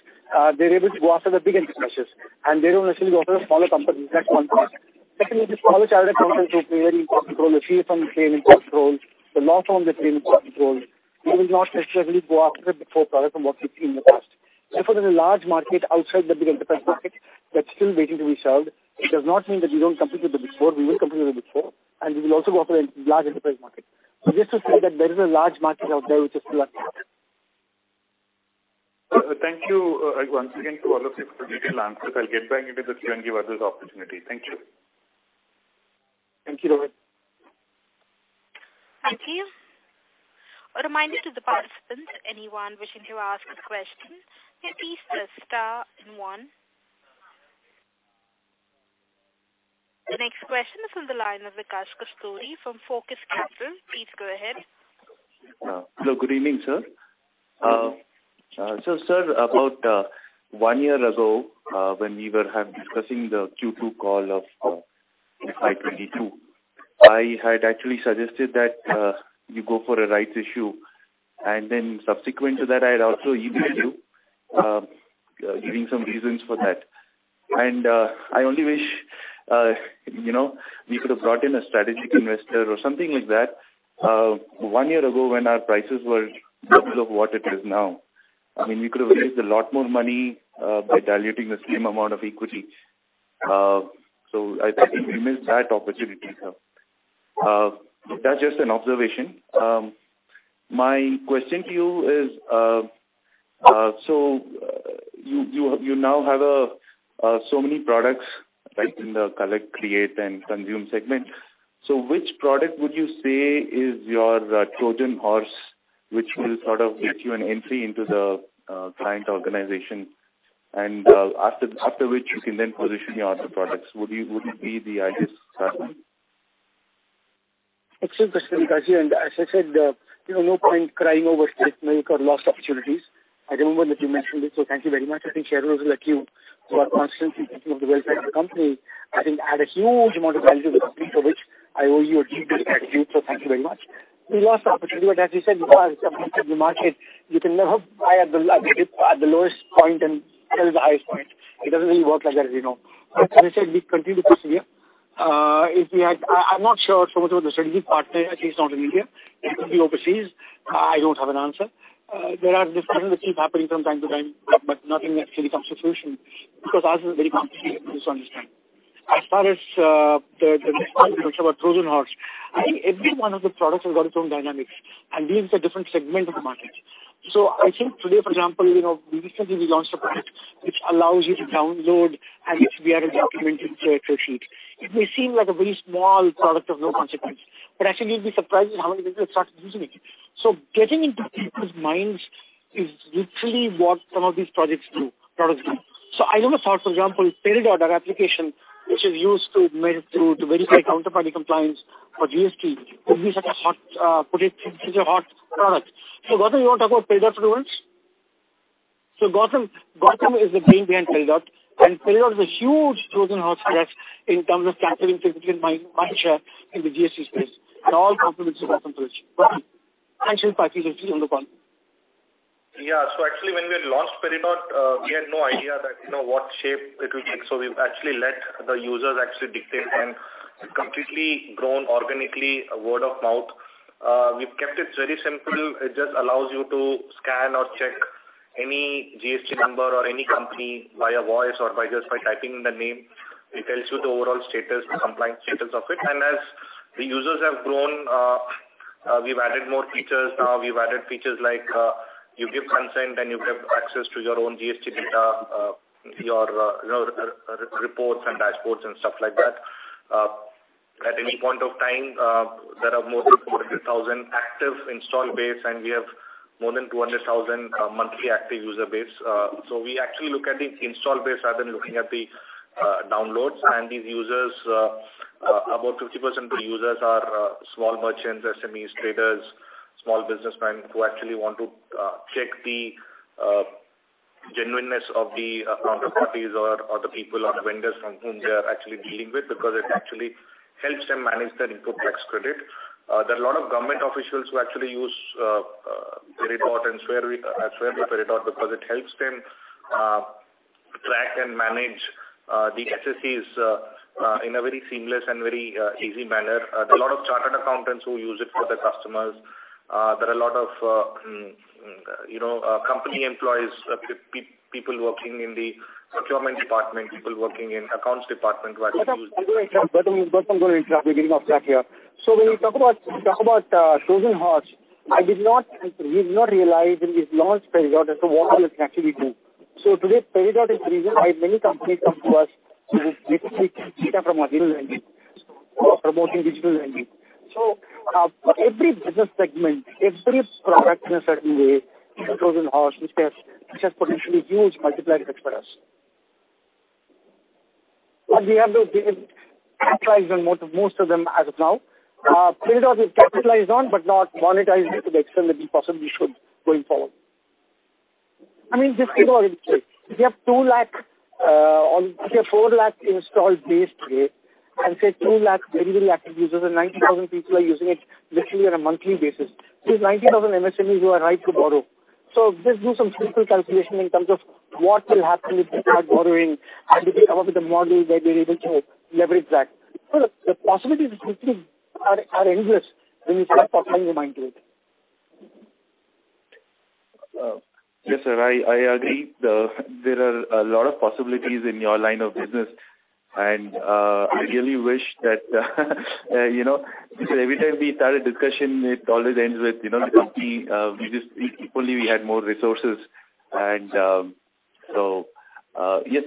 Speaker 3: they're able to go after the big enterprises, and they don't necessarily offer the smaller companies that one product. Secondly, the smaller chartered accountants who play a very important role, the CS play an important role. The law firm, they play an important role. They will not necessarily go after the Big Four product from what we've seen in the past. Therefore, there's a large market outside the big enterprise market that's still waiting to be served. It does not mean that we don't compete with the Big Four. We will compete with the Big Four, and we will also go after the large enterprise market. Just to say that there is a large market out there which is still unserved.
Speaker 8: Thank you, once again to all of you for the detailed answers. I'll get back into the queue and give others opportunity. Thank you.
Speaker 3: Thank you, Rohith.
Speaker 1: Thank you. A reminder to the participants, anyone wishing to ask a question, please press star and one. The next question is on the line of Vikas Kasturi from Focus Capital. Please go ahead.
Speaker 9: Hello. Good evening, sir. So sir, about one year ago, when we were discussing the Q2 call of FY 2022, I had actually suggested that you go for a rights issue. Then subsequent to that, I had also emailed you, giving some reasons for that. I only wish, you know, we could have brought in a strategic investor or something like that, one year ago when our prices were doubles of what it is now. I mean, we could have raised a lot more money by diluting the same amount of equity. So I think we missed that opportunity, sir. That's just an observation. My question to you is, so you now have so many products, right, in the Collect, Create, and Consume segment. Which product would you say is your Trojan horse, which will sort of get you an entry into the client organization and, after which you can then position your other products? Would it be the IRIS platform?
Speaker 3: Excellent question, Vikas. As I said, you know, no point crying over spilled milk or lost opportunities. I remember that you mentioned it, so thank you very much. I think shareholders like you who are constantly thinking of the welfare of the company, I think add a huge amount of value to the company for which I owe you a deep debt of gratitude, so thank you very much. We lost the opportunity, but as you said, because of the nature of the market, you can never buy at the dip, at the lowest point and sell at the highest point. It doesn't really work like that, as you know. As I said, we continue to push here. If we had, I'm not sure so much about the strategic partner, at least not in India. It could be overseas. I don't have an answer. There are discussions which keep happening from time to time, but nothing actually comes to fruition because ours is a very complicated business to understand. As far as the response about Trojan Horse, I think every one of the products has got its own dynamics, and these are different segment of the market. I think today, for example, you know, recently we launched a product which allows you to download an XBRL document into a spreadsheet. It may seem like a very small product of no consequence, but actually you'll be surprised at how many people have started using it. Getting into people's minds is literally what some of these projects do, products do. I never thought, for example, Peridot, our application which is used to verify counterparty compliance for GST, could be such a hot product. Gautam, you wanna talk about Peridot for once? Gautam is the brain behind Peridot, and Peridot is a huge Trojan horse for us in terms of capturing significant mindshare, market share in the GST space. All compliments to Gautam for which. Gautam, I'll actually pass it over to you on the call.
Speaker 6: Yeah. Actually, when we had launched Peridot, we had no idea that, you know, what shape it will take. We've actually let the users actually dictate, and it completely grown organically, word of mouth. We've kept it very simple. It just allows you to scan or check any GST number or any company via voice or by just typing the name. It tells you the overall status, compliance status of it. As the users have grown, we've added more features. Now we've added features like, you give consent and you have access to your own GST data, your returns and dashboards and stuff like that. At any point of time, there are more than 400,000 active install base, and we have more than 200,000 monthly active user base. We actually look at the install base rather than looking at the downloads. These users, about 50% of the users are small merchants, SMEs, traders, small businessmen who actually want to check the genuineness of the counterparties or the people or the vendors from whom they are actually dealing with because it actually helps them manage their input tax credit. There are a lot of government officials who actually use Peridot and swear by Peridot because it helps them track and manage the SSCs in a very seamless and very easy manner. There are a lot of chartered accountants who use it for their customers. There are lot of, you know, company employees, people working in the procurement department, people working in accounts department who are-
Speaker 3: I'm gonna interrupt. We're getting off track here. When you talk about Trojan horse, I did not and we did not realize in this launch period as to what all this can actually do. Today, Peridot is the reason why many companies come to us to basically take data from our sales engine for promoting digital lending. Every business segment, every product in a certain way is a Trojan horse which has potentially huge multiplier effects for us. We have not been capitalized on most of them as of now. Peridot we've capitalized on, but not monetized it to the extent that we possibly should going forward. I mean, just think about it. If you have 200,000 or if you have 400,000 installed base today, and say 200,000 very, very active users and 90,000 people are using it literally on a monthly basis. These 90,000 MSMEs who are ripe to borrow. Just do some simple calculation in terms of what will happen if they start borrowing and if we come up with a model where we're able to leverage that. The possibilities are endless when you start applying your mind to it.
Speaker 9: Yes, sir. I agree. There are a lot of possibilities in your line of business. I really wish that, you know, because every time we start a discussion, it always ends with, you know, the company if only we had more resources. Yes,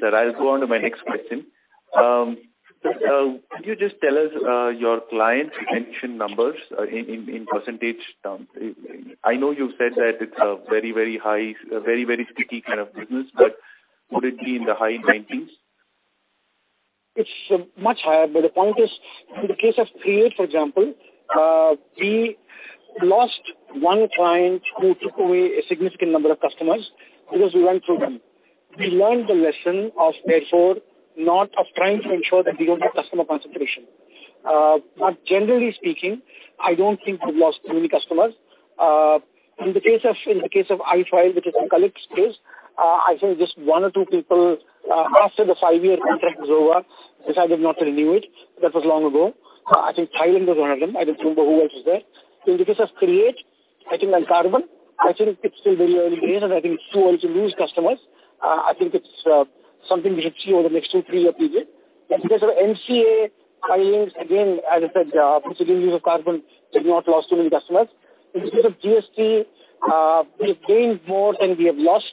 Speaker 9: sir, I'll go on to my next question. Could you just tell us your client retention numbers in percentage terms? I know you've said that it's a very high, very sticky kind of business, but would it be in the high 90s?
Speaker 3: It's much higher. The point is, in the case of Create, for example, we lost one client who took away a significant number of customers because we went through them. We learned the lesson of therefore not of trying to ensure that we don't have customer concentration. Generally speaking, I don't think we've lost many customers. In the case of iFile, which is the Collect space, I think just one or two people, after the five-year contract was over, decided not to renew it. That was long ago. I think Thailand was one of them. I don't remember who else was there. In the case of Create, I think, and CARBON, I think it's still very early days, and I think it's too early to lose customers. I think it's something we should see over the next two, three years usually. In the case of MCA filings, again, as I said, with the use of CARBON, we've not lost too many customers. In the case of GST, we have gained more than we have lost.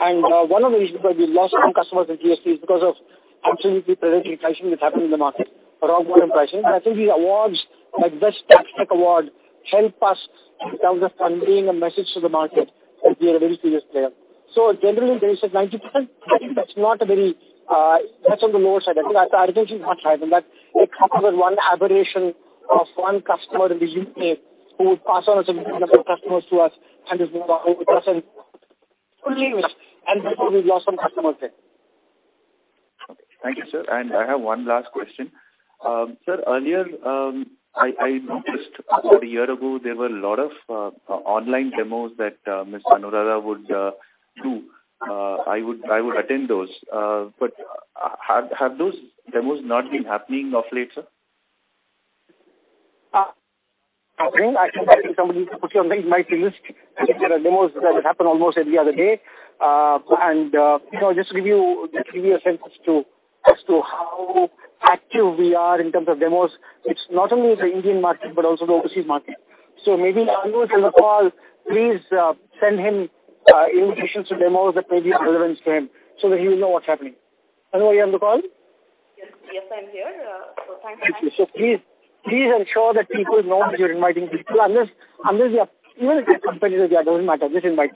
Speaker 3: One of the reasons why we lost some customers in GST is because of absolutely predatory pricing that's happened in the market, rock bottom pricing. I think the awards, like Best Tech Award, help us in terms of conveying a message to the market that we are a very serious player. Generally when they said 90%, I think that's not a very, that's on the lower side. I think our retention is much higher than that. It happened with one aberration of one customer in the U.K. who would pass on a significant number of customers to us and has moved on with us and fully with us, and therefore we've lost some customers there.
Speaker 9: Okay. Thank you, sir. I have one last question. Sir, earlier, I noticed about a year ago, there were a lot of online demos that Ms. Anuradha would do. I would attend those. But have those demos not been happening of late, sir?
Speaker 3: I think somebody needs to put you on my to-do list. There are demos that happen almost every other day. You know, just to give you a sense as to how active we are in terms of demos, it's not only the Indian market, but also the overseas market. Maybe Anu, if you're on the call, please send him invitations to demos that may be of relevance to him so that he will know what's happening. Anu, are you on the call?
Speaker 10: Yes. Yes, I'm here. Thank you.
Speaker 3: Please ensure that people know that you're inviting people. Even if they're competitors, yeah, it doesn't matter. Just invite.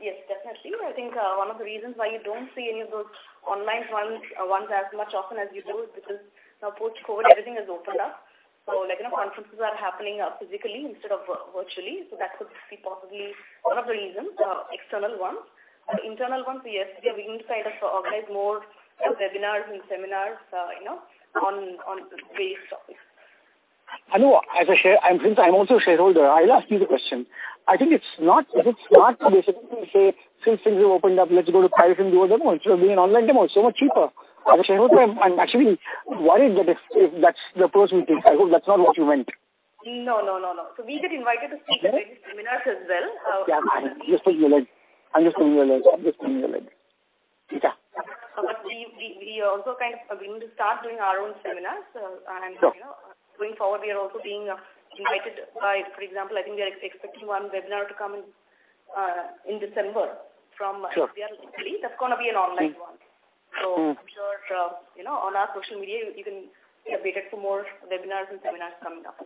Speaker 10: Yes, definitely. I think one of the reasons why you don't see any of those online ones as often as you do is because now post-COVID, everything has opened up. Like, you know, conferences are happening physically instead of virtually. That could be possibly one of the reasons, external ones. Internal ones, yes, we need to kind of organize more webinars and seminars, you know, on a daily basis.
Speaker 3: Anu, since I'm also a shareholder, I'll ask you the question. I think it's not. Is it smart to basically say, "Since things have opened up, let's go to Paris and do a demo instead of doing an online demo." It's so much cheaper. As a shareholder, I'm actually worried that if that's the approach we're taking. I hope that's not what you meant.
Speaker 10: No. We get invited to speak at many seminars as well.
Speaker 3: Yeah. I'm just putting you on edge. Yeah.
Speaker 10: We also kind of are going to start doing our own seminars. You know, going forward, we are also being invited by. For example, I think we are expecting one webinar to come in in December from
Speaker 3: Sure.
Speaker 10: That's gonna be an online one. I'm sure, you know, on our social media, you can be updated for more webinars and seminars coming up.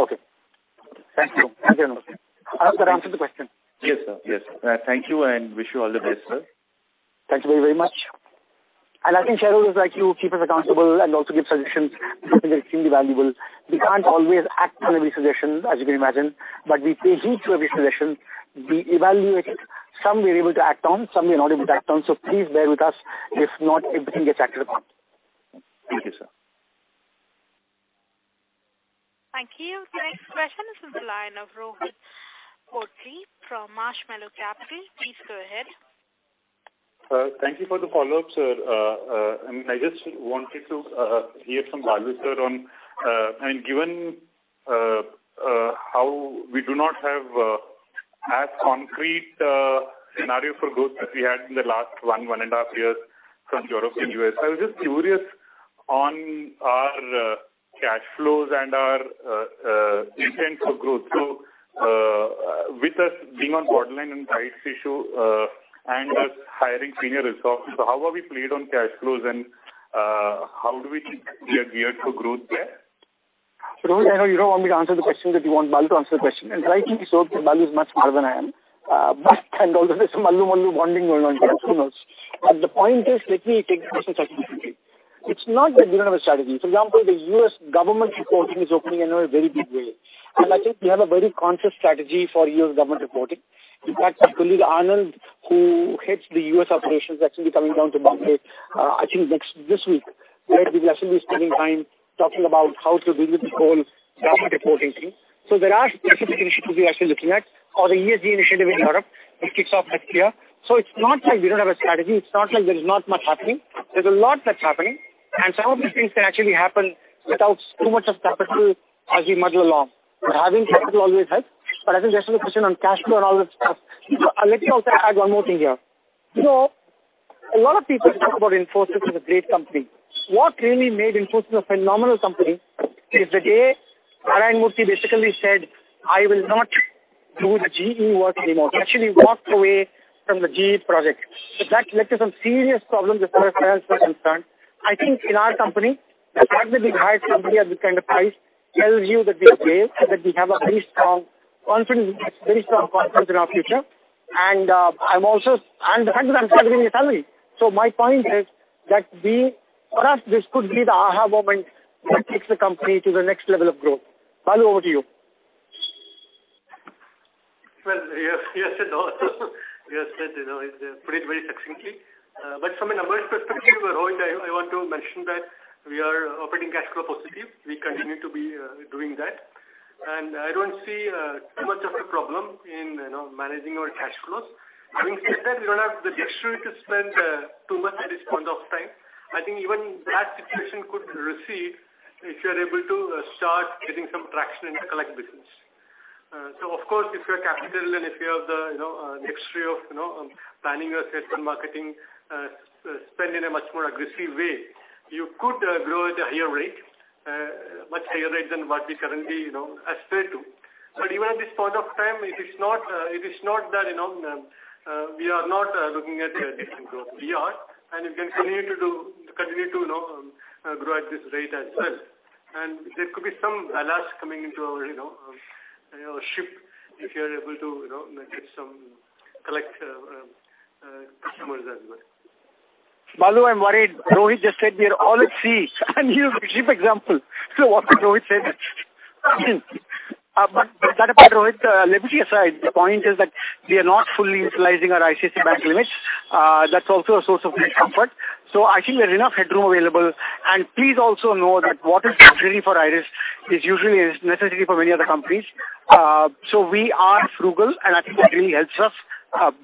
Speaker 3: Okay. Thank you. Thank you, Anu. I hope that answered the question.
Speaker 9: Yes, sir. Yes. Thank you, and wish you all the best, sir.
Speaker 3: Thank you very, very much. I think shareholders like you keep us accountable and also give suggestions that are extremely valuable. We can't always act on every suggestion, as you can imagine, but we pay heed to every suggestion. We evaluate it. Some we're able to act on, some we're not able to act on. Please bear with us if not everything gets acted upon.
Speaker 9: Thank you, sir.
Speaker 1: Thank you. The next question is from the line of Rohith Potti from Marshmallow Capital. Please go ahead.
Speaker 8: Thank you for the follow-up, sir. I just wanted to hear from Balu, sir, on—I mean, given how we do not have as concrete a scenario for growth that we had in the last one and a half years from Europe and U.S. I was just curious on our cash flows and our intent for growth. With us being on a borderline pricing issue and us hiring senior resources, how are we placed on cash flows and how do we think we are geared for growth there?
Speaker 3: Rohith, I know you don't want me to answer the question, that you want Balu to answer the question. Rightly so, because Balu is much smarter than I am. But also there's some [one-on-one] bonding going on here, who knows? The point is, let me take the question seriously. It's not that we don't have a strategy. For example, the U.S. government reporting is opening in a very big way. I think we have a very conscious strategy for U.S. government reporting. In fact, my colleague, Arnold, who heads the U.S. operations, is actually coming down to Bombay, I think this week, where we will actually be spending time talking about how to deal with this whole government reporting thing. There are specific initiatives we're actually looking at or the ESG initiative in Europe that kicks off next year. It's not like we don't have a strategy. It's not like there is not much happening. There's a lot that's happening. Some of these things can actually happen without so much of capital as we muddle along. Having capital always helps. I think there's no question on cash flow and all that stuff. Let me also add one more thing here. You know, a lot of people talk about Infosys as a great company. What really made Infosys a phenomenal company is the day Narayana Murthy basically said, "I will not do the GE work anymore." He actually walked away from the GE project. That led to some serious problems as far as clients were concerned. I think in our company, the fact that we hired somebody at this kind of price tells you that we are brave and that we have a very strong confidence in our future. The fact that I'm still giving you salary. My point is that for us, this could be the aha moment that takes the company to the next level of growth. Balu, over to you.
Speaker 4: Well, you have said a lot. You have said, you know, put it very succinctly. From a numbers perspective, Rohith, I want to mention that we are operating cash flow positive. We continue to be doing that. I don't see too much of a problem in, you know, managing our cash flows. Having said that, we don't have the luxury to spend too much at this point of time. I think even that situation could recede if you are able to start getting some traction in the Collect business. Of course, if you have capital and if you have the, you know, luxury of, you know, planning your sales and marketing spend in a much more aggressive way, you could grow at a higher rate, much higher rate than what we currently, you know, aspire to. Even at this point of time, it is not that, you know, we are not looking at different growth. We are, and we can continue to grow at this rate as well. There could be some ballast coming into our, you know, you know, ship if you are able to, you know, get some Collect customers as well.
Speaker 3: Balu, I'm worried. Rohith just said we are all at sea and you with ship example. What Rohith said, but that apart, Rohit, let me set aside. The point is that we are not fully utilizing our ICICI Bank limits. That's also a source of great comfort. I think there's enough headroom available. Please also know that what is luxury for IRIS is usually a necessity for many other companies. We are frugal, and I think that really helps us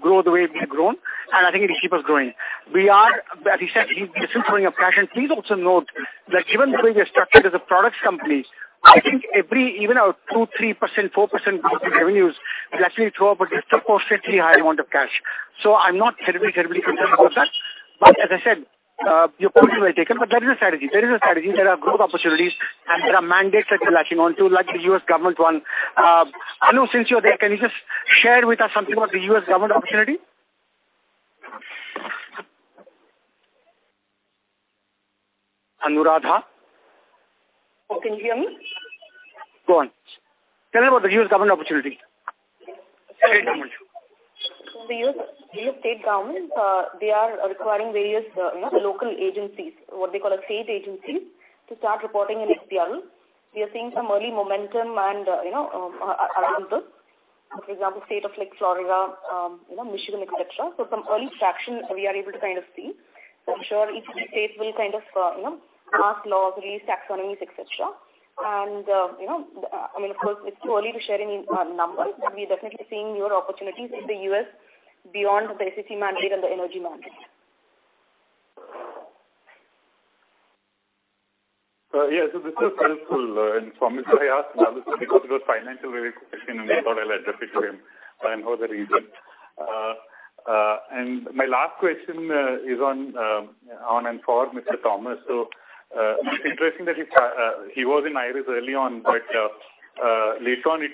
Speaker 3: grow the way we've grown, and I think it'll keep us growing. He said he's still throwing up cash. Please also note that given the way we are structured as a products company, I think every, even our 2%, 3%, 4% growth in revenues will actually throw up a disproportionately high amount of cash. I'm not terribly concerned about that. As I said, your point is well taken, but there is a strategy. There are growth opportunities, and there are mandates that we're latching on to, like the U.S. Government one. Anu, since you're there, can you just share with us something about the U.S. Government opportunity? Anuradha?
Speaker 10: Can you hear me?
Speaker 3: Go on. Tell me about the U.S. government opportunity. State government.
Speaker 10: The U.S., U.S. state government, they are acquiring various, you know, the local agencies, what they call as state agencies, to start reporting in XBRL. We are seeing some early momentum and, you know, adopters. For example, states like Florida, you know, Michigan, et cetera. Some early traction we are able to kind of see. I'm sure each state will kind of, you know, pass laws, release taxonomies, et cetera. You know, I mean, of course, it's too early to share any, numbers, but we're definitely seeing newer opportunities in the U.S. beyond the SEC mandate and the energy mandate. Yes. This is helpful, and for me. I asked Balu because it was financial related question, and I thought I'll address it to him. I know the reason. My last question is on and for Mr. Thomas. Interesting that he was in IRIS early on, but later on it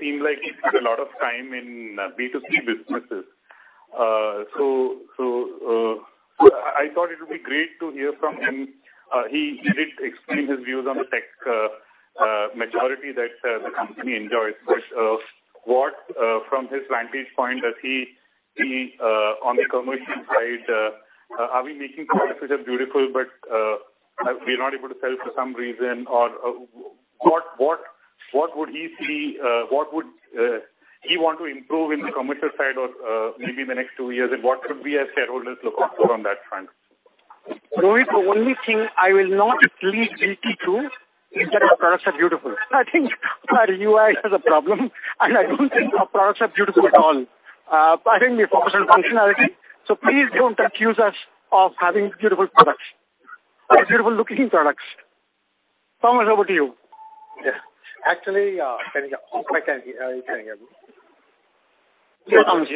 Speaker 10: seemed like he spent a lot of time in B2C businesses. I thought it would be great to hear from him. He did explain his views on the tech moat that the company enjoys. But what from his vantage point does he see on the commercial side? Are we making products which are beautiful but we're not able to sell for some reason? Or what would he see, what would he want to improve in the commercial side or maybe in the next two years?
Speaker 8: What should we as shareholders look out for on that front?
Speaker 3: Rohit, the only thing I will not plead guilty to is that our products are beautiful. I think our UI has a problem, and I don't think our products are beautiful at all. I think we focus on functionality, so please don't accuse us of having beautiful products or beautiful-looking products. Thomas, over to you.
Speaker 7: Yeah. Actually, can you hear me?
Speaker 3: Yes.
Speaker 7: Yeah, as Thomas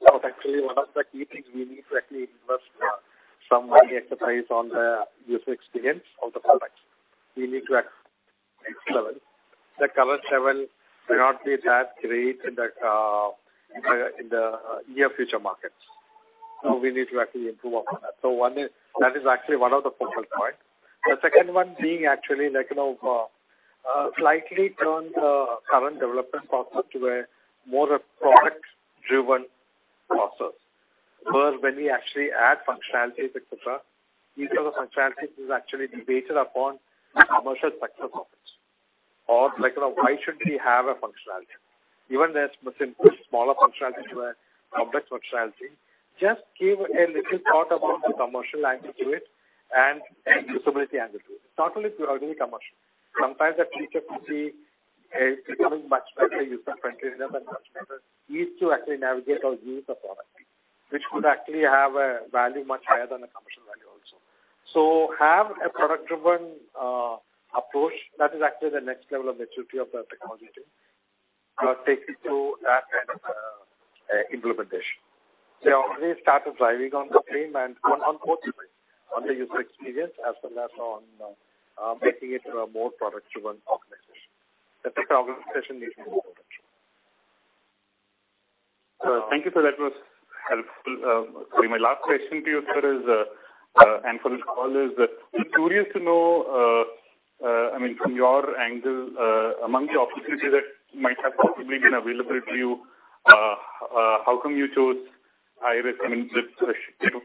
Speaker 7: said, actually one of the key things we need to actually invest some money, focus on the user experience of the products. We need to take it to the next level. The current level may not be that great in the near future markets. We need to actually improve upon that. That is actually one of the focal points. The second one being actually like, you know, slightly turn the current development process to a more product-driven process, where when we actually add functionalities, et cetera, each of the functionalities is actually debated upon the commercial aspect of it. Or like, why should we have a functionality? Even if there's a missing smaller functionality to a complex functionality, just give a little thought about the commercial angle to it and usability angle to it. It's not only purely commercial. Sometimes the feature could be becoming much better user-friendly than the customer needs to actually navigate or use the product, which could actually have a value much higher than the commercial value also. Have a product-driven approach. That is actually the next level of maturity of the technology team taking to that kind of implementation. They already started driving on the frame and on both of it, on the user experience as well as on making it a more product-driven organization. The tech organization needs to be product-driven.
Speaker 8: Thank you, sir. That was helpful. My last question to you, sir, is just curious to know, I mean, from your angle, among the opportunities that might have possibly been available to you, how come you chose IRIS? I mean, the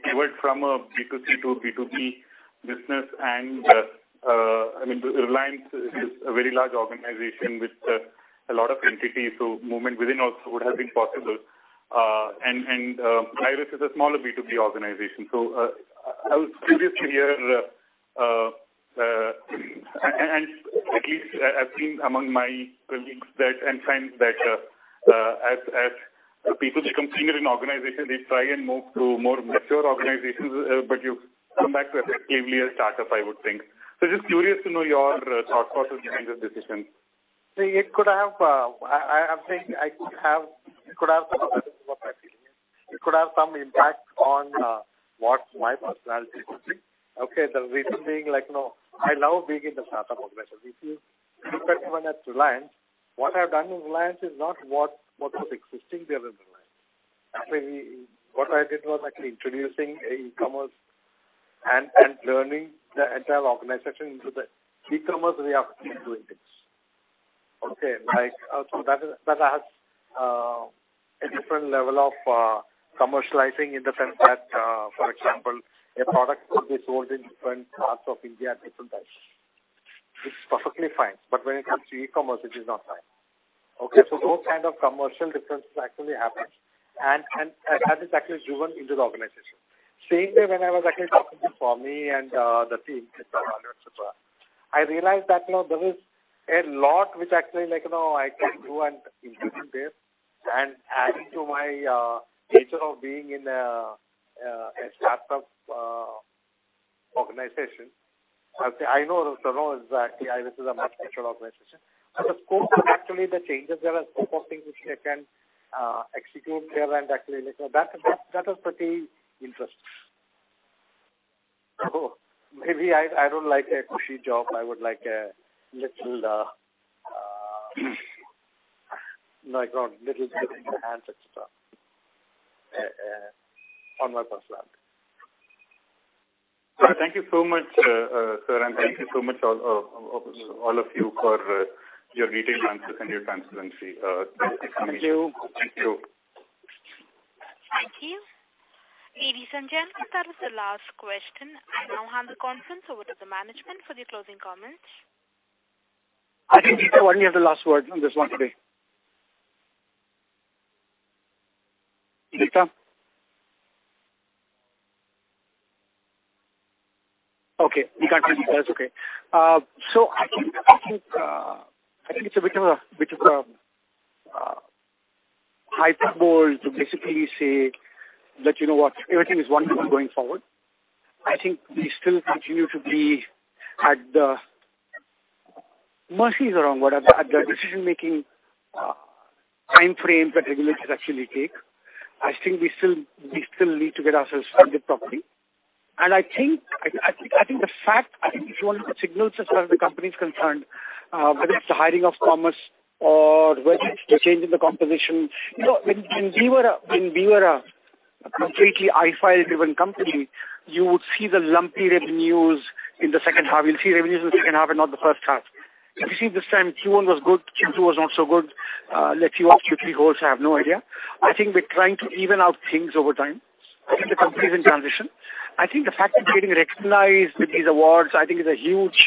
Speaker 8: pivot from a B2C to a B2B business and, I mean, Reliance is a very large organization with a lot of entities, so movement within also would have been possible. IRIS is a smaller B2B organization. I was curious to hear, and at least I've seen among my colleagues and friends that, as people become senior in organization, they try and move to more mature organizations. You've come back to effectively a startup, I would think. Just curious to know your thought process behind the decision.
Speaker 7: It could have some impact. It could have some impact on what my personality could be. Okay, the reason being like, no, I love being in the startup organization. If you look back even at Reliance, what I've done in Reliance is not what was existing there in Reliance. Actually, what I did was actually introducing e-commerce and leading the entire organization into the e-commerce way of doing things. Okay. Like, that has a different level of commercializing in the sense that, for example, a product could be sold in different parts of India at different prices. It's perfectly fine, but when it comes to e-commerce, it is not fine. Okay. Those kind of commercial differences actually happened and I had this actually driven into the organization. Same day when I was actually talking to Swami and the team, et cetera. I realized that, you know, there is a lot which actually like, you know, I can do and implement there. Adding to my nature of being in a startup organization. I say I know so know exactly IRIS is a much better organization. The scope of actually the changes there and scope of things which I can execute there and actually like that was pretty interesting. Maybe I don't like a cushy job. I would like a little bit hands-on, et cetera, on my personal life.
Speaker 8: Thank you so much, sir, and thank you so much all of you for your detailed answers and your transparency. Thank you.
Speaker 7: Thank you.
Speaker 3: Thank you.
Speaker 1: Thank you. Ladies and gentlemen, that was the last question. I now hand the conference over to the management for the closing comments.
Speaker 3: I think, Deepta, why don't you have the last word on this one today. Deepta? Okay. You can't hear me. That's okay. I think it's a bit of a hyperbole to basically say that, you know what, everything is wonderful going forward. I think we still continue to be at the mercy of the decision-making time frames that regulators actually take. I think we still need to get ourselves funded properly. I think if you want to put signals as far as the company is concerned, whether it's the hiring of Thomas or whether it's the change in the composition. You know, when we were a completely iFile-driven company, you would see the lumpy revenues in the second half. You'll see revenues in the second half and not the first half. If you see this time, Q1 was good, Q2 was not so good. Let's see what Q3 holds, I have no idea. I think we're trying to even out things over time. I think the company is in transition. I think the fact that we're getting recognized with these awards is a huge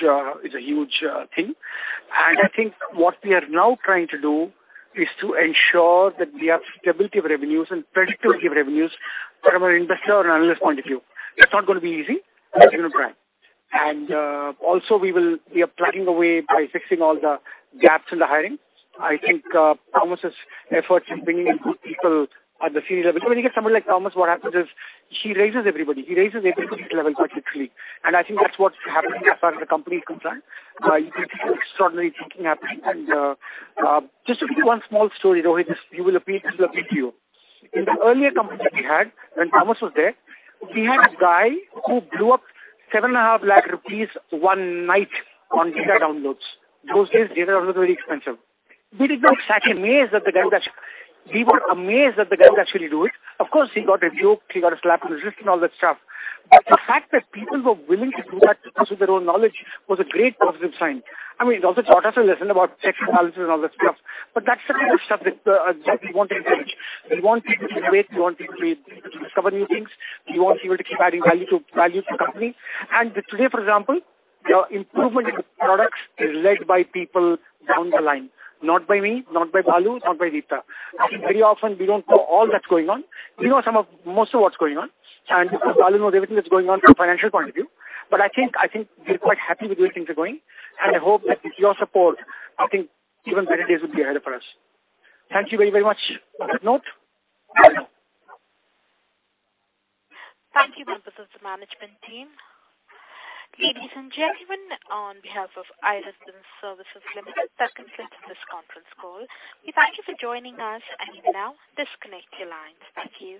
Speaker 3: thing. I think what we are now trying to do is to ensure that we have stability of revenues and predictability of revenues from an investor and analyst point of view. That's not gonna be easy, but we're gonna try. Also we are plugging away by fixing all the gaps in the hiring. I think Thomas's efforts in bringing in good people at the senior level. When you get someone like Thomas, what happens is he raises everybody. He raises everybody to his level quite literally. I think that's what's happening as far as the company is concerned. You can see extraordinary thinking happening. Just to give you one small story, Rohith, this will appeal to you. In the earlier company that we had, when Thomas was there, we had a guy who blew up 7.5 lakh rupees one night on data downloads. Those days data downloads were very expensive. We were amazed that the guy would actually do it. Of course, he got a yoke, he got a slap on the wrist and all that stuff. The fact that people were willing to do that because of their own knowledge was a great positive sign. I mean, it also taught us a lesson about checks and balances and all that stuff, but that's the kind of stuff that we want to encourage. We want people to innovate, we want people to discover new things. We want people to keep adding value to the company. Today, for example, the improvement in the products is led by people down the line, not by me, not by Balu, not by Deepta. I think very often we don't know all that's going on. We know most of what's going on, and because Balu knows everything that's going on from a financial point of view. I think we're quite happy with the way things are going, and I hope that with your support, I think even better days will be ahead of us. Thank you very, very much. On that note, bye-bye.
Speaker 1: Thank you, members of the management team. Ladies and gentlemen, on behalf of IRIS Business Services Limited, that concludes this conference call. We thank you for joining us, and you may now disconnect your lines. Thank you.